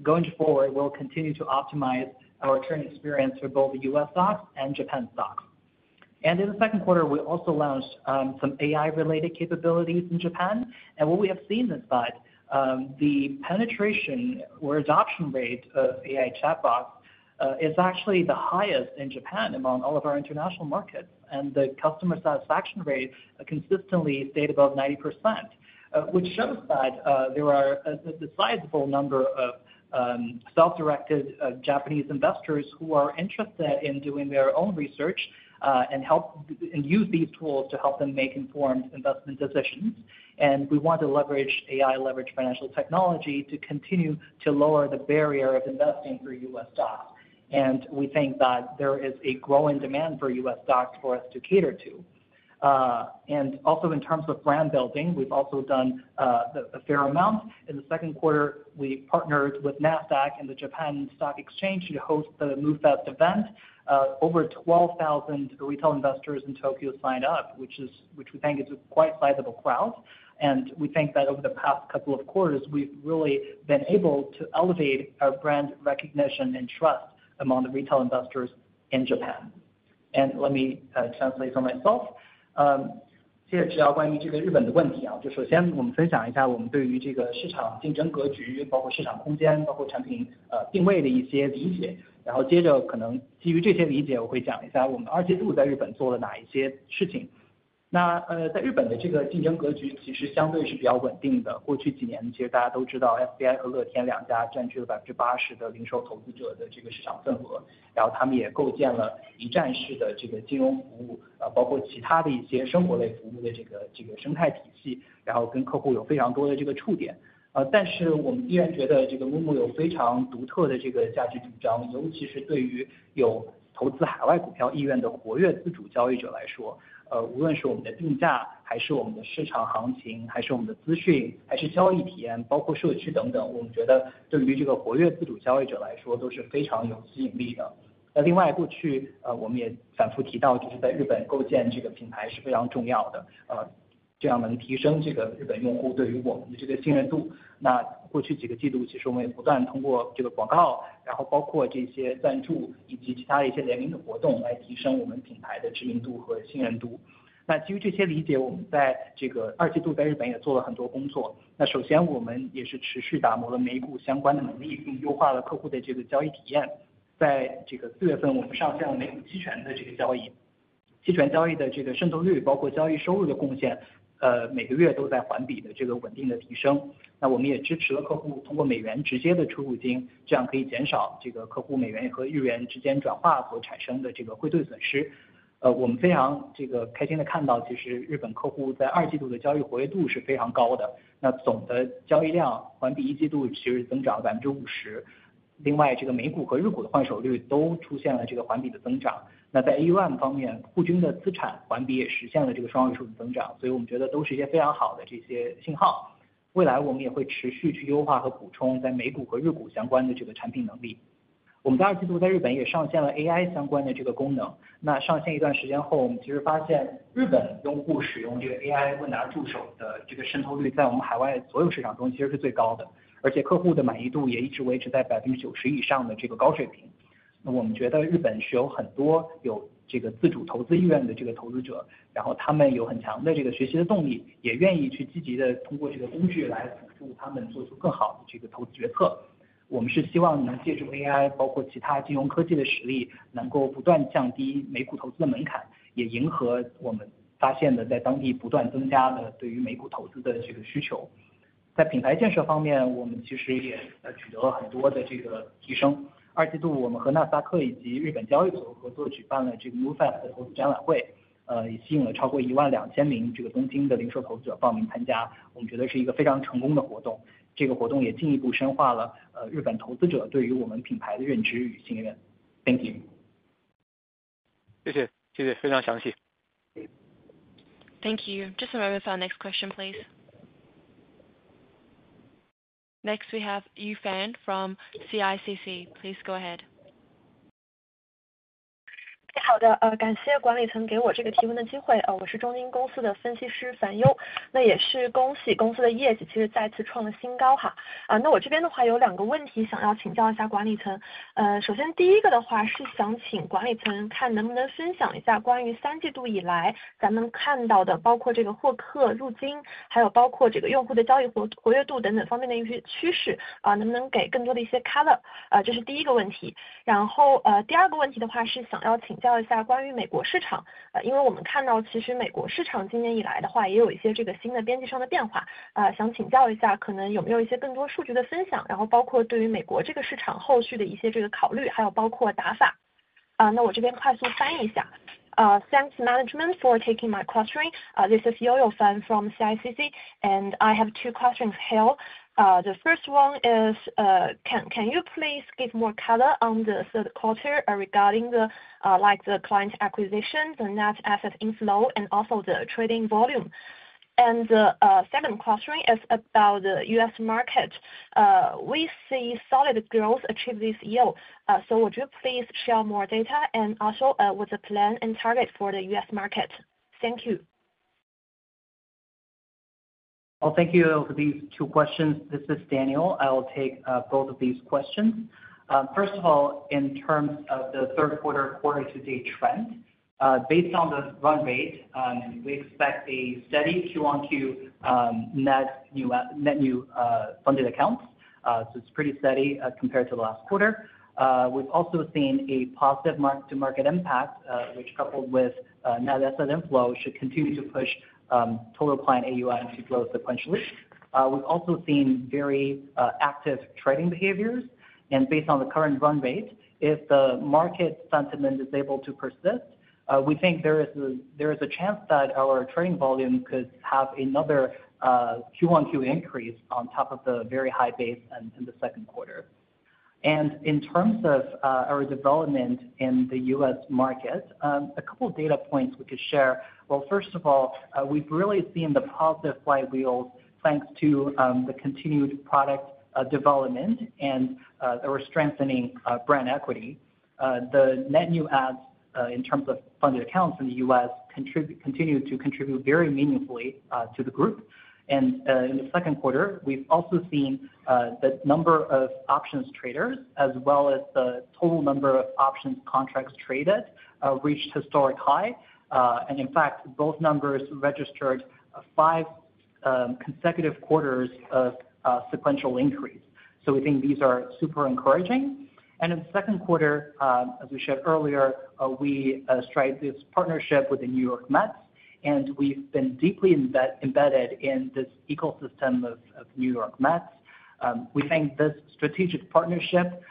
Going forward, we'll continue to optimize our current experience for both the U.S. stocks and Japan stocks. In the second quarter, we also launched some AI-related capabilities in Japan. What we have seen is that the penetration or adoption rate of AI chatbots is actually the highest in Japan among all of our international markets. The customer satisfaction rate consistently stayed above 90%, which shows that there are a sizable number of self-directed Japanese investors who are interested in doing their own research and use these tools to help them make informed investment decisions. We want to leverage AI, leverage financial technology to continue to lower the barrier of investing through U.S. stocks. We think that there is a growing demand for U.S. stocks for us to cater to. In terms of brand building, we've also done a fair amount. In the second quarter, we partnered with Nasdaq and the Japan Stock Exchange to host the MoveFest event. Over 12,000 retail investors in Tokyo signed up, which we think is a quite sizable crowd. We think that over the past couple of quarters, we've really been able to elevate our brand recognition and trust among the retail investors in Japan. Let me translate for myself. 接着我们这个日本的问题, 然后就首先我们分享一下我们对于这个市场竞争格局, 包括市场空间, 包括产品定位的一些理解。然后接着可能基于这些理解, 我会讲一下我们二季度在日本做了哪一些事情。那在日本的这个竞争格局其实相对是比较稳定的。过去几年其实大家都知道SBI和乐天两家占据了80%的零售投资者的这个市场份额, 然后他们也构建了一站式的这个金融服务, 包括其他的一些生活类服务的这个生态体系, 然后跟客户有非常多的这个触点。但是我们依然觉得这个Moomoo有非常独特的这个价值主张, 尤其是对于有投资海外股票意愿的活跃自主交易者来说, 无论是我们的定价, 还是我们的市场行情, 还是我们的资讯, 还是交易体验, 包括社区等等, 我们觉得对于这个活跃自主交易者来说都是非常有吸引力的。那另外过去我们也反复提到, 就是在日本构建这个品牌是非常重要的, 这样能提升这个日本用户对于我们的这个信任度。那过去几个季度其实我们也不断通过这个广告, 然后包括这些赞助以及其他的一些联名的活动来提升我们品牌的知名度和信任度。那基于这些理解, 我们在这个二季度在日本也做了很多工作。那首先我们也是持续打磨了美股相关的能力, 并优化了客户的这个交易体验。在这个4月份, 我们上涨美股期权的这个交易, 期权交易的这个渗透率, 包括交易收入的贡献, 每个月都在环比的这个稳定的提升。那我们也支持了客户通过美元直接的出入金, 这样可以减少这个客户美元和日元之间转化所产生的这个汇兑损失。我们非常这个开心的看到, 其实日本客户在二季度的交易活跃度是非常高的。那总的交易量环比一季度其实增长了50%。另外这个美股和日股的换手率都出现了这个环比的增长。那在AUM方面, 然后他们有很强的这个学习的动力, 也愿意去积极的通过这个工具来辅助他们做出更好的这个投资决策。我们是希望能借助AI, 包括其他金融科技的实力, 能够不断降低美股投资的门槛, 也迎合我们发现的在当地不断增加的对于美股投资的这个需求。在品牌建设方面, 我们其实也取得了很多的这个提升。二季度我们和纳斯达克以及日本交易所合作举办了这个New Fact Audit展览会, 也吸引了超过12,000名这个东京的零售投资者报名参加。我们觉得是一个非常成功的活动, 这个活动也进一步深化了日本投资者对于我们品牌的认知与信任。Thank you. you, very detailed. Thank you. Just a moment for our next question, please. Next, we have You Fan from CICC. Please go ahead. 好的, 感谢管理层给我这个提问的机会。我是中金公司的分析师樊呦, 也是恭喜公司的业绩其实再次创了新高。那我这边的话有两个问题想要请教一下管理层。首先第一个的话是想请管理层看能不能分享一下关于三季度以来咱们看到的, 包括这个获客入金, 还有包括这个用户的交易活跃度等等方面的一些趋势, 能不能给更多的一些color。这是第一个问题。第二个问题的话是想要请教一下关于美国市场, 因为我们看到其实美国市场今年以来的话也有一些新的边际上的变化, 想请教一下可能有没有一些更多数据的分享, 然后包括对于美国这个市场后续的一些考虑, 还有包括打法。那我这边快速翻译一下。Thanks management for taking my question. This is Yoyo Fan from CICC, and I have two questions here. The first one is, can you please give more color on the third quarter regarding the, like the client acquisition, the net asset inflow, and also the trading volume? The second question is about the U.S. market. We see solid growth achieved this year. Would you please share more data and also with the plan and target for the U.S. market? Thank you. Thank you for these two questions. This is Daniel. I'll take both of these questions. First of all, in terms of the third quarter quarter-to-date trend, based on the run rate, we expect a steady Q1 net new funded accounts. It's pretty steady compared to the last quarter. We've also seen a positive market-to-market impact, which, coupled with net asset inflow, should continue to push total client AUM to grow sequentially. We've also seen very active trading behaviors. Based on the current run rate, if the market sentiment is able to persist, we think there is a chance that our trading volume could have another Q1 Q increase on top of the very high base in the second quarter. In terms of our development in the U.S. market, a couple of data points we could share. First of all, we've really seen the positive flywheel thanks to the continued product development and our strengthening brand equity. The net new ads in terms of funded accounts in the U.S. continue to contribute very meaningfully to the group. In the second quarter, we've also seen the number of options traders, as well as the total number of options contracts traded, reached a historic high. In fact, both numbers registered five consecutive quarters of sequential increase. We think these are super encouraging. In the second quarter, as we shared earlier, we struck this partnership with the New York Mets, and we've been deeply embedded in this ecosystem of New York Mets. We think this strategic partnership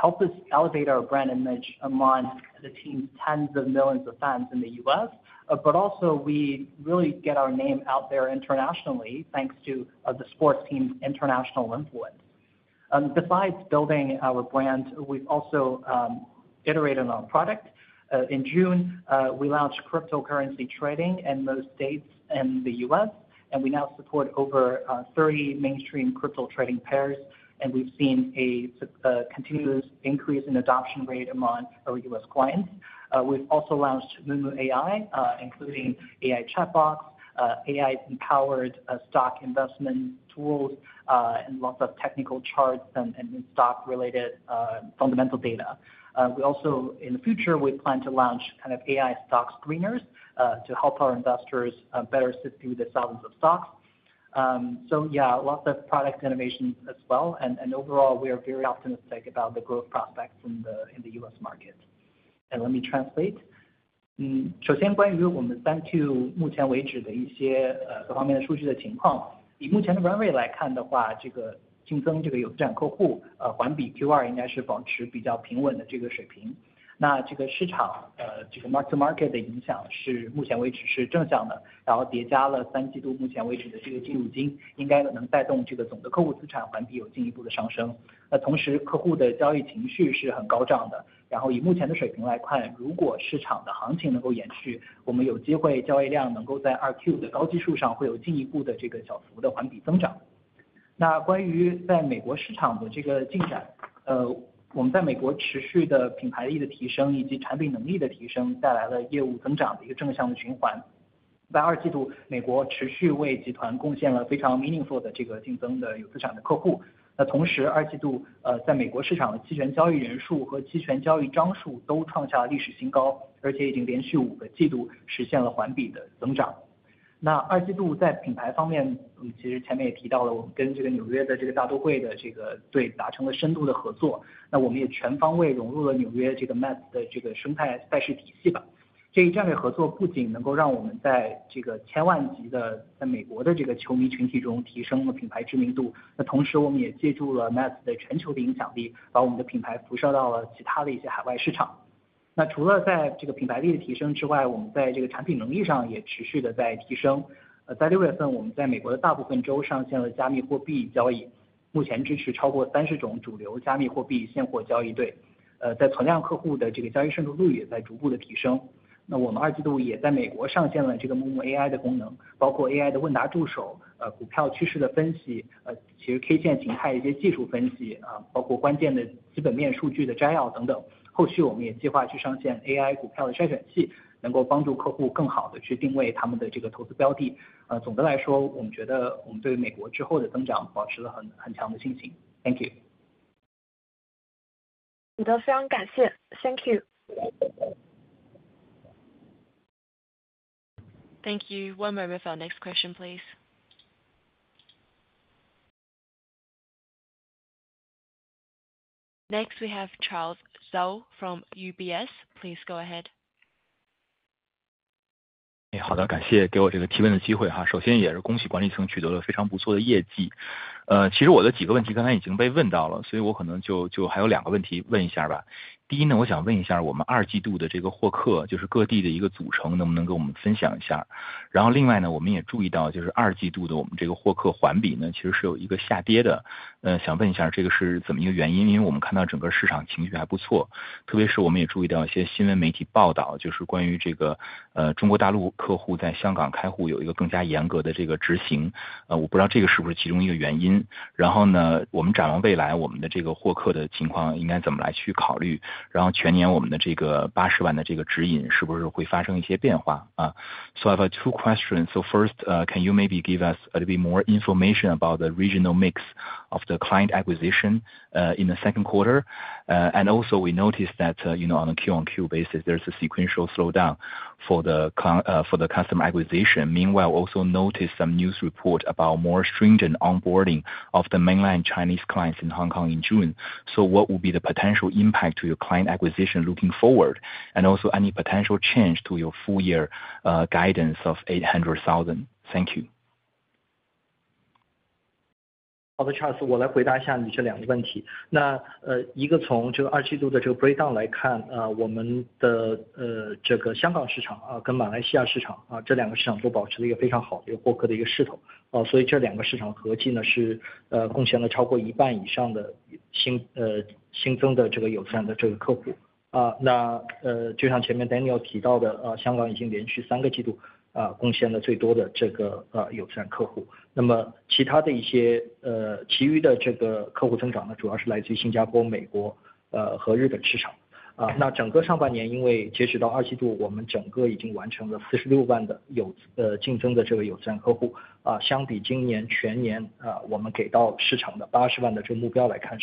helps us elevate our brand image amongst the team's tens of millions of fans in the U.S., but also we really get our name out there internationally thanks to the sports team's international influence. Besides building our brand, we've also iterated on product. In June, we launched cryptocurrency trading in most states in the U.S., and we now support over 30 mainstream crypto trading pairs. We've seen a continuous increase in adoption rate among our U.S. clients. We've also launched Moomoo AI, including AI chatbots, AI-powered stock investment tools, and lots of technical charts and new stock-related fundamental data. In the future, we plan to launch kind of AI stock screeners to help our investors better sit through the thousands of stocks. Lots of product innovations as well. Overall, we are very optimistic about the growth prospects in the U.S. market. Let me translate. 首先关于我们三季度目前为止的一些各方面的数据的情况, 以目前的 run rate 来看的话, 这个新增这个有质量客户环比 Q2 应该是保持比较平稳的这个水平。那这个市场这个 market to market 的影响是目前为止是正向的, 然后叠加了三季度目前为止的这个进入金, 应该能带动这个总的客户资产环比有进一步的上升。那同时客户的交易情绪是很高涨的, 然后以目前的水平来看, 如果市场的行情能够延续, 我们有机会交易量能够在二季度的高基数上会有进一步的这个小幅的环比增长。那关于在美国市场的这个进展, 我们在美国持续的品牌力的提升以及产品能力的提升带来了业务增长的一个正向的循环。在二季度, 美国持续为集团贡献了非常 meaningful 的这个竞争的有资产的客户。那同时二季度, 在美国市场的期权交易人数和期权交易张数都创下了历史新高, 而且已经连续五个季度实现了环比的增长。那二季度在品牌方面, 其实前面也提到了我们跟这个纽约的这个大都会的这个对达成了深度的合作, 那我们也全方位融入了纽约这个 Mets 的这个生态赛事体系吧。这一战略合作不仅能够让我们在这个千万级的在美国的这个球迷群体中提升了品牌知名度, 那同时我们也借助了 Mets 的全球的影响力, 把我们的品牌辐射到了其他的一些海外市场。那除了在这个品牌力的提升之外, 我们在这个产品能力上也持续的在提升。在 6 月份, 我们在美国的大部分州上线了加密货币交易, 目前支持超过 30 种主流加密货币现货交易对, 在存量客户的这个交易渗透率也在逐步的提升。那我们二季度也在美国上线了这个 Moomoo AI 的功能, 包括 AI 的问答助手, 股票趋势的分析, 其实 K 键形态的一些技术分析, 包括关键的基本面数据的摘要等等。后续我们也计划去上线 AI 股票的筛选器, 能够帮助客户更好的去定位他们的这个投资标的。总的来说, 我们觉得我们对美国之后的增长保持了很很强的信心。Thank you. 你都非常感谢。Thank you. Thank you. One moment for our next question, please. Next, we have Charles Zhou from UBS. Please go ahead. 好的, 感谢给我这个提问的机会。首先也是恭喜管理层取得了非常不错的业绩。其实我的几个问题刚才已经被问到了, 所以我可能就还有两个问题问一下吧。第一呢, 我想问一下我们二季度的这个获客, 就是各地的一个组成能不能跟我们分享一下。然后另外呢, 我们也注意到就是二季度的我们这个获客环比呢, 其实是有一个下跌的。想问一下这个是怎么一个原因, 因为我们看到整个市场情绪还不错, 特别是我们也注意到一些新闻媒体报道, 就是关于这个, 中国大陆客户在香港开户有一个更加严格的这个执行。我不知道这个是不是其中一个原因。然后呢, 我们展望未来, 我们的这个获客的情况应该怎么来去考虑, 然后全年我们的这个 80 万的这个指引是不是会发生一些变化。I have two questions. First, can you maybe give us a little bit more information about the regional mix of the client acquisition in the second quarter? Also, we noticed that, on a Q1 Q basis, there's a sequential slowdown for the customer acquisition. Meanwhile, we also noticed some news reports about more stringent onboarding of the mainland Chinese clients in Hong Kong in June. What will be the potential impact to your client acquisition looking forward? Also, any potential change to your full year guidance of 800,000? Thank you. 好的, Charles, 我来回答一下你这两个问题。那一个从这个二季度的这个 breakdown 来看, 我们的这个香港市场跟马来西亚市场这两个市场都保持了一个非常好的一个获客的一个势头, 所以这两个市场合计呢, 是贡献了超过一半以上的新增的这个有资产的这个客户。那就像前面 Daniel 提到的, 香港已经连续三个季度贡献了最多的这个有资产客户。那么其他的一些其余的这个客户增长呢, 主要是来自于新加坡、美国和日本市场。那整个上半年, 因为截止到二季度, 我们整个已经完成了46万的有竞争的这个有资产客户, 相比今年全年我们给到市场的80万的这个目标来看,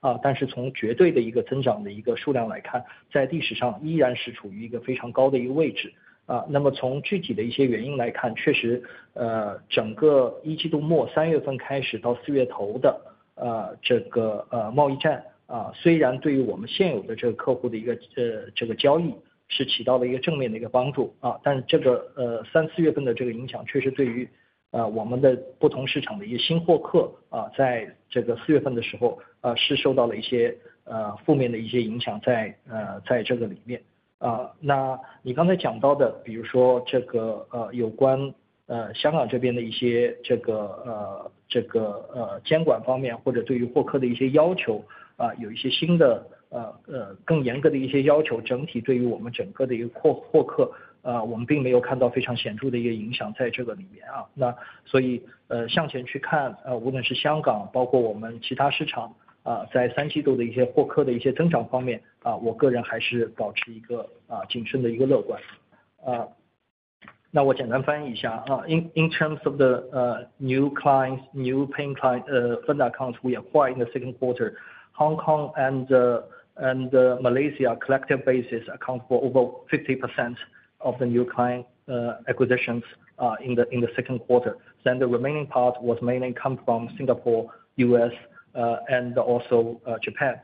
环比是有小幅的一个下降, 但是从绝对的一个增长的一个数量来看, 在历史上依然是处于一个非常高的一个位置。那么从具体的一些原因来看, 确实, 整个一季度末3月份开始到4月头的, 整个贸易战, 虽然对于我们现有的这个客户的一个交易是起到了一个正面的一个帮助, 但是三四月份的这个影响确实对于我们不同市场的一些新获客, 在4月份的时候, 是受到了一些负面的一些影响。在这个里面, 那你刚才讲到的, 比如说有关香港这边的一些监管方面或者对于获客的一些要求, 有一些新的, 更严格的一些要求, 整体对于我们整个的一个获客, 我们并没有看到非常显著的一个影响在这个里面。那所以, 向前去看, 无论是香港, 包括我们其他市场, 在三季度的一些获客的一些增长方面, 我个人还是保持一个谨慎的一个乐观。我简单翻译一下, in terms of the new clients, new paying clients, fund accounts we acquired in the second quarter, Hong Kong and the Malaysia collective basis account for over 50% of the new client acquisitions in the second quarter. The remaining part was mainly come from Singapore, US, and also Japan.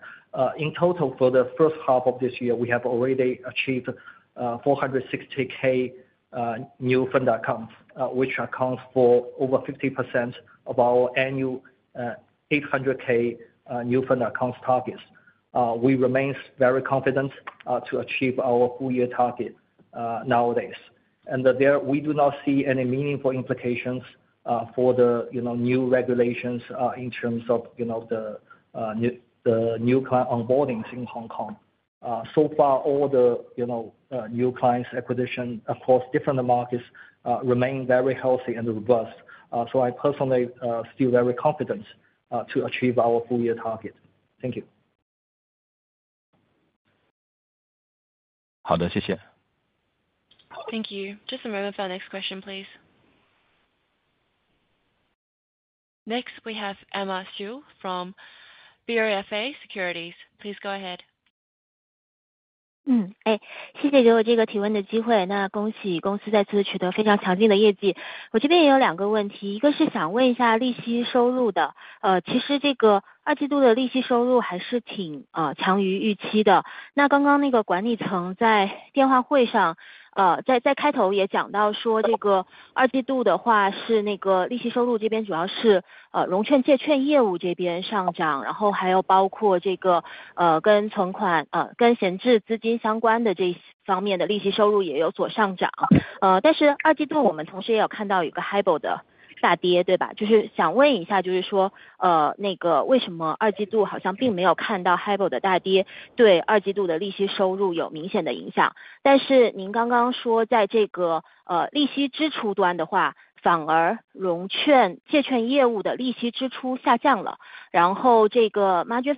In total, for the first half of this year, we have already achieved 460K new fund accounts, which accounts for over 50% of our annual 800K new fund accounts targets. We remain very confident to achieve our full year target nowadays. We do not see any meaningful implications for the new regulations in terms of the new client onboardings in Hong Kong. So far, all the new clients acquisition across different markets remain very healthy and robust. I personally feel very confident to achieve our full year target. Thank you. 好的, 谢谢。Thank you. Just a moment for our next question, please. Next, we have Emma Xu from Bank of America Securities. Please go ahead. 谢谢给我这个提问的机会, 那恭喜公司在此取得非常强劲的业绩。我这边也有两个问题, 一个是想问一下利息收入的, 其实这个二季度的利息收入还是挺强于预期的。那刚刚管理层在电话会上, 在开头也讲到说这个二季度的话是利息收入这边主要是融券借券业务这边上涨, 然后还有包括跟存款, 跟闲置资金相关的这方面的利息收入也有所上涨。二季度我们同时也有看到有个 Hibor 的大跌, 对吧? 就是想问一下, 就是说, 为什么二季度好像并没有看到 Hibor 的大跌对二季度的利息收入有明显的影响。您刚刚说在利息支出端的话, 反而融券借券业务的利息支出下降了, 然后 margin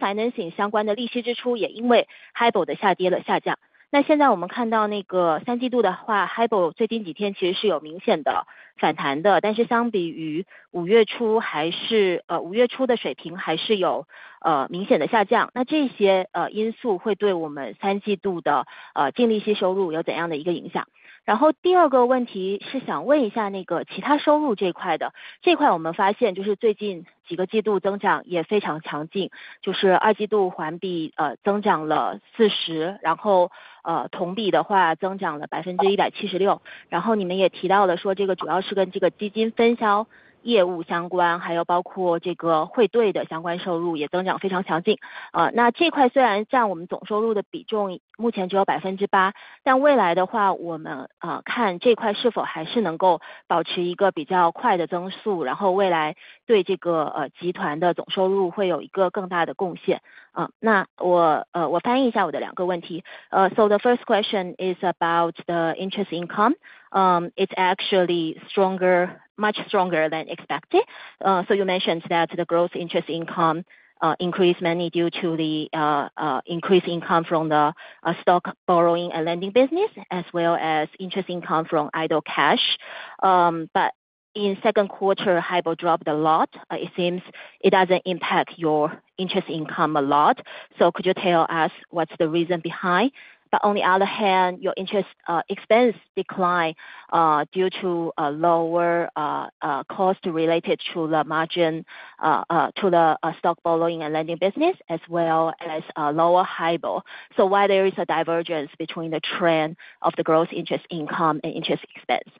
financing 相关的利息支出也因为 Hibor 的下跌而下降。现在我们看到三季度的话, Hibor 最近几天其实是有明显的反弹的, 但是相比于 5 月初还是, 5 月初的水平还是有明显的下降。这些因素会对我们三季度的净利息收入有怎样的一个影响? 然后第二个问题是想问一下其他收入这块的, 这块我们发现最近几个季度增长也非常强劲, 二季度环比增长了 42%, 同比的话增长了 176%。你们也提到了说这个主要是跟基金分销业务相关, 还有包括汇兑的相关收入也增长非常强劲。那这块虽然占我们总收入的比重目前只有 8%, 但未来的话我们看这块是否还是能够保持一个比较快的增速, 然后未来对集团的总收入会有一个更大的贡献。我翻译一下我的两个问题。so the first question is about the interest income. it's actually stronger, much stronger than expected. you mentioned that the growth interest income increased mainly due to the increased income from the stock borrowing and lending business, as well as interest income from idle cash. in the second quarter, Hibor dropped a lot. It seems it doesn't impact your interest income a lot. could you tell us what's the reason behind? on the other hand, your interest expense declined due to a lower cost related to the stock borrowing and lending business, as well as a lower Hibor. why there is a divergence between the trend of the growth interest income and interest expense?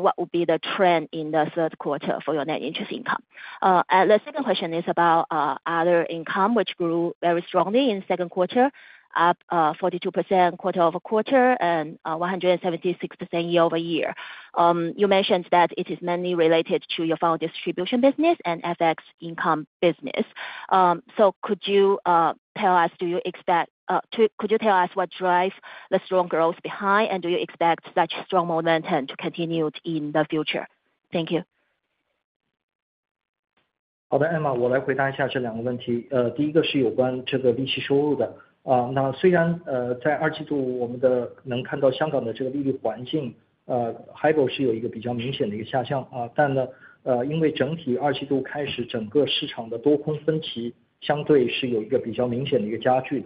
what would be the trend in the third quarter for your net interest income? the second question is about other income, which grew very strongly in the second quarter, up 42% quarter over quarter and 176% year over year. you mentioned that it is mainly related to your fund distribution business and FX income business. could you tell us what drives the strong growth behind, and do you expect such strong momentum to continue in the future? Thank you. 好的, Emma, 我来回答一下这两个问题。第一个是有关这个利息收入的。那么虽然在二季度我们能看到香港的这个利率环境, Hibor 是有一个比较明显的一个下降, 但因为整体二季度开始整个市场的多空分歧相对是有一个比较明显的一个加剧,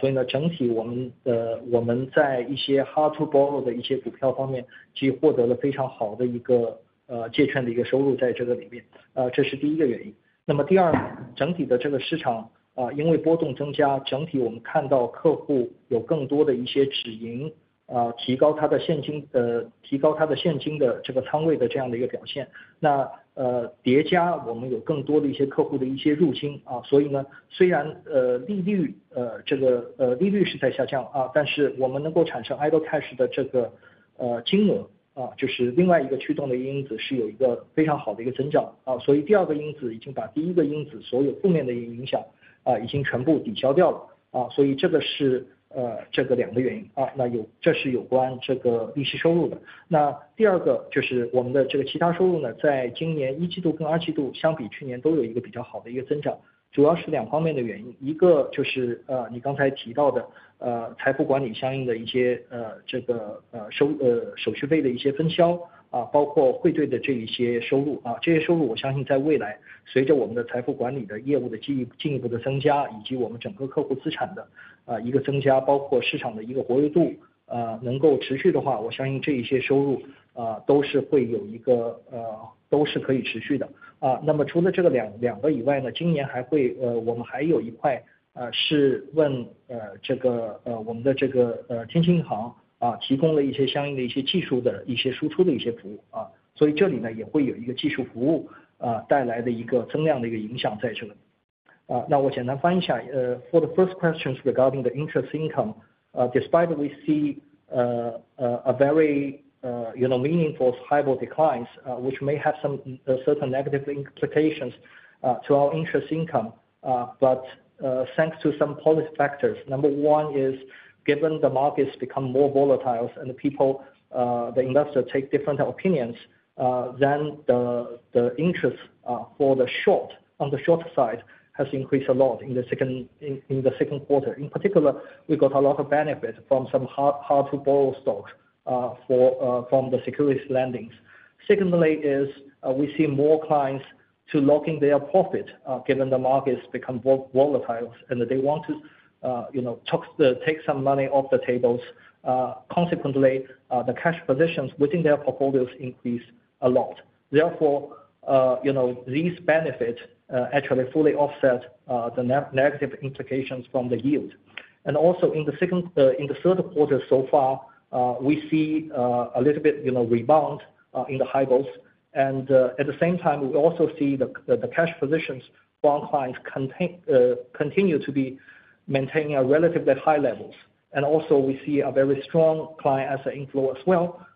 所以整体我们在一些 hard to borrow 的一些股票方面, 其实获得了非常好的一个借券的一个收入在这个里面。这是第一个原因。第二, 整体的这个市场因为波动增加, 整体我们看到客户有更多的一些止盈, 提高他的现金的, 提高他的现金的这个仓位的这样的一个表现。叠加我们有更多的一些客户的一些入金, 所以虽然利率是在下降, 但是我们能够产生 idle cash 的这个金额, 就是另外一个驱动的因子, 是有一个非常好的一个增长。第二个因子已经把第一个因子所有负面的一个影响, 已经全部抵消掉了。这是这两个原因。这是有关这个利息收入的。第二个就是我们的这个其他收入呢, 在今年一季度跟二季度相比去年都有一个比较好的一个增长, 主要是两方面的原因。一个就是你刚才提到的财富管理相应的一些收入, 手续费的一些分销, 包括汇兑的这一些收入。这些收入我相信在未来随着我们的财富管理的业务的进一步的增加, 以及我们整个客户资产的一个增加, 包括市场的一个活跃度能够持续的话, 我相信这一些收入, 都是可以持续的。除了这两个以外呢, 今年我们还有一块, 是我们的天津银行提供了一些相应的一些技术的一些输出的一些服务, 所以这里也会有一个技术服务带来的一个增量的一个影响在这里。我简单分享。For The first question is regarding the interest income. Despite we see a very, you know, meaningful hybrid declines, which may have some certain negative implications to our interest income, but thanks to some policy factors, number one is given the markets become more volatile and the people, the investors take different opinions, then the interest for the short, on the short side, has increased a lot in the second quarter. In particular, we got a lot of benefits from some hard-to-borrow stocks from the securities lending. Secondly, we see more clients lock in their profit given the markets become more volatile and they want to, you know, take some money off the table. Consequently, the cash positions within their portfolios increase a lot. Therefore, you know, these benefits actually fully offset the negative implications from the yield. Also, in the third quarter so far, we see a little bit, you know, rebound in the hybrids. At the same time, we also see the cash positions from clients continue to be maintained at relatively high levels. Also, we see a very strong client asset inflow as well.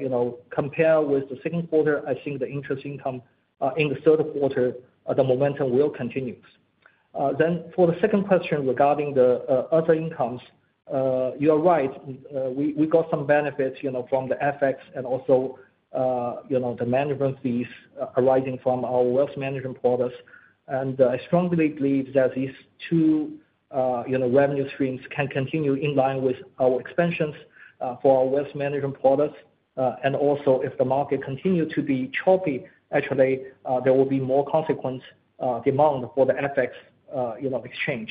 You know, compared with the second quarter, I think the interest income in the third quarter, the momentum will continue. For the second question regarding the other incomes, you are right, we got some benefits, you know, from the FX and also, you know, the management fees arising from our wealth management products. I strongly believe that these two, you know, revenue streams can continue in line with our expenses for our wealth management products. Also, if the market continues to be choppy, actually there will be more consequence demand for the FX, you know, exchange.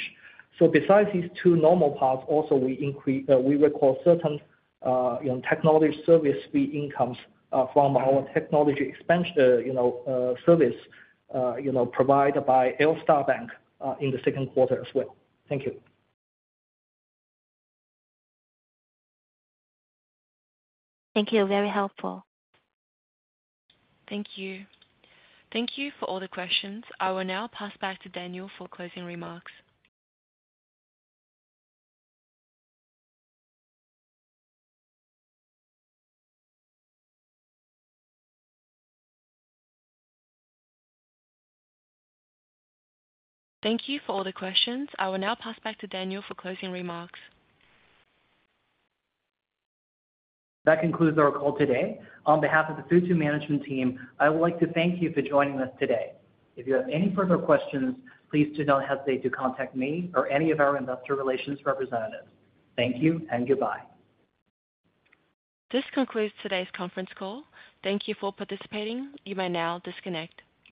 Besides these two normal paths, we also record certain, you know, technology service fee incomes from our technology expansion, you know, service, you know, provided by Elstar Bank in the second quarter as well. Thank you. Thank you. Very helpful. Thank you for all the questions. I will now pass back to Daniel for closing remarks. That concludes our call today. On behalf of the Futu Management team, I would like to thank you for joining us today. If you have any further questions, please do not hesitate to contact me or any of our investor relations representatives. Thank you and goodbye. This concludes today's conference call. Thank you for participating. You may now disconnect.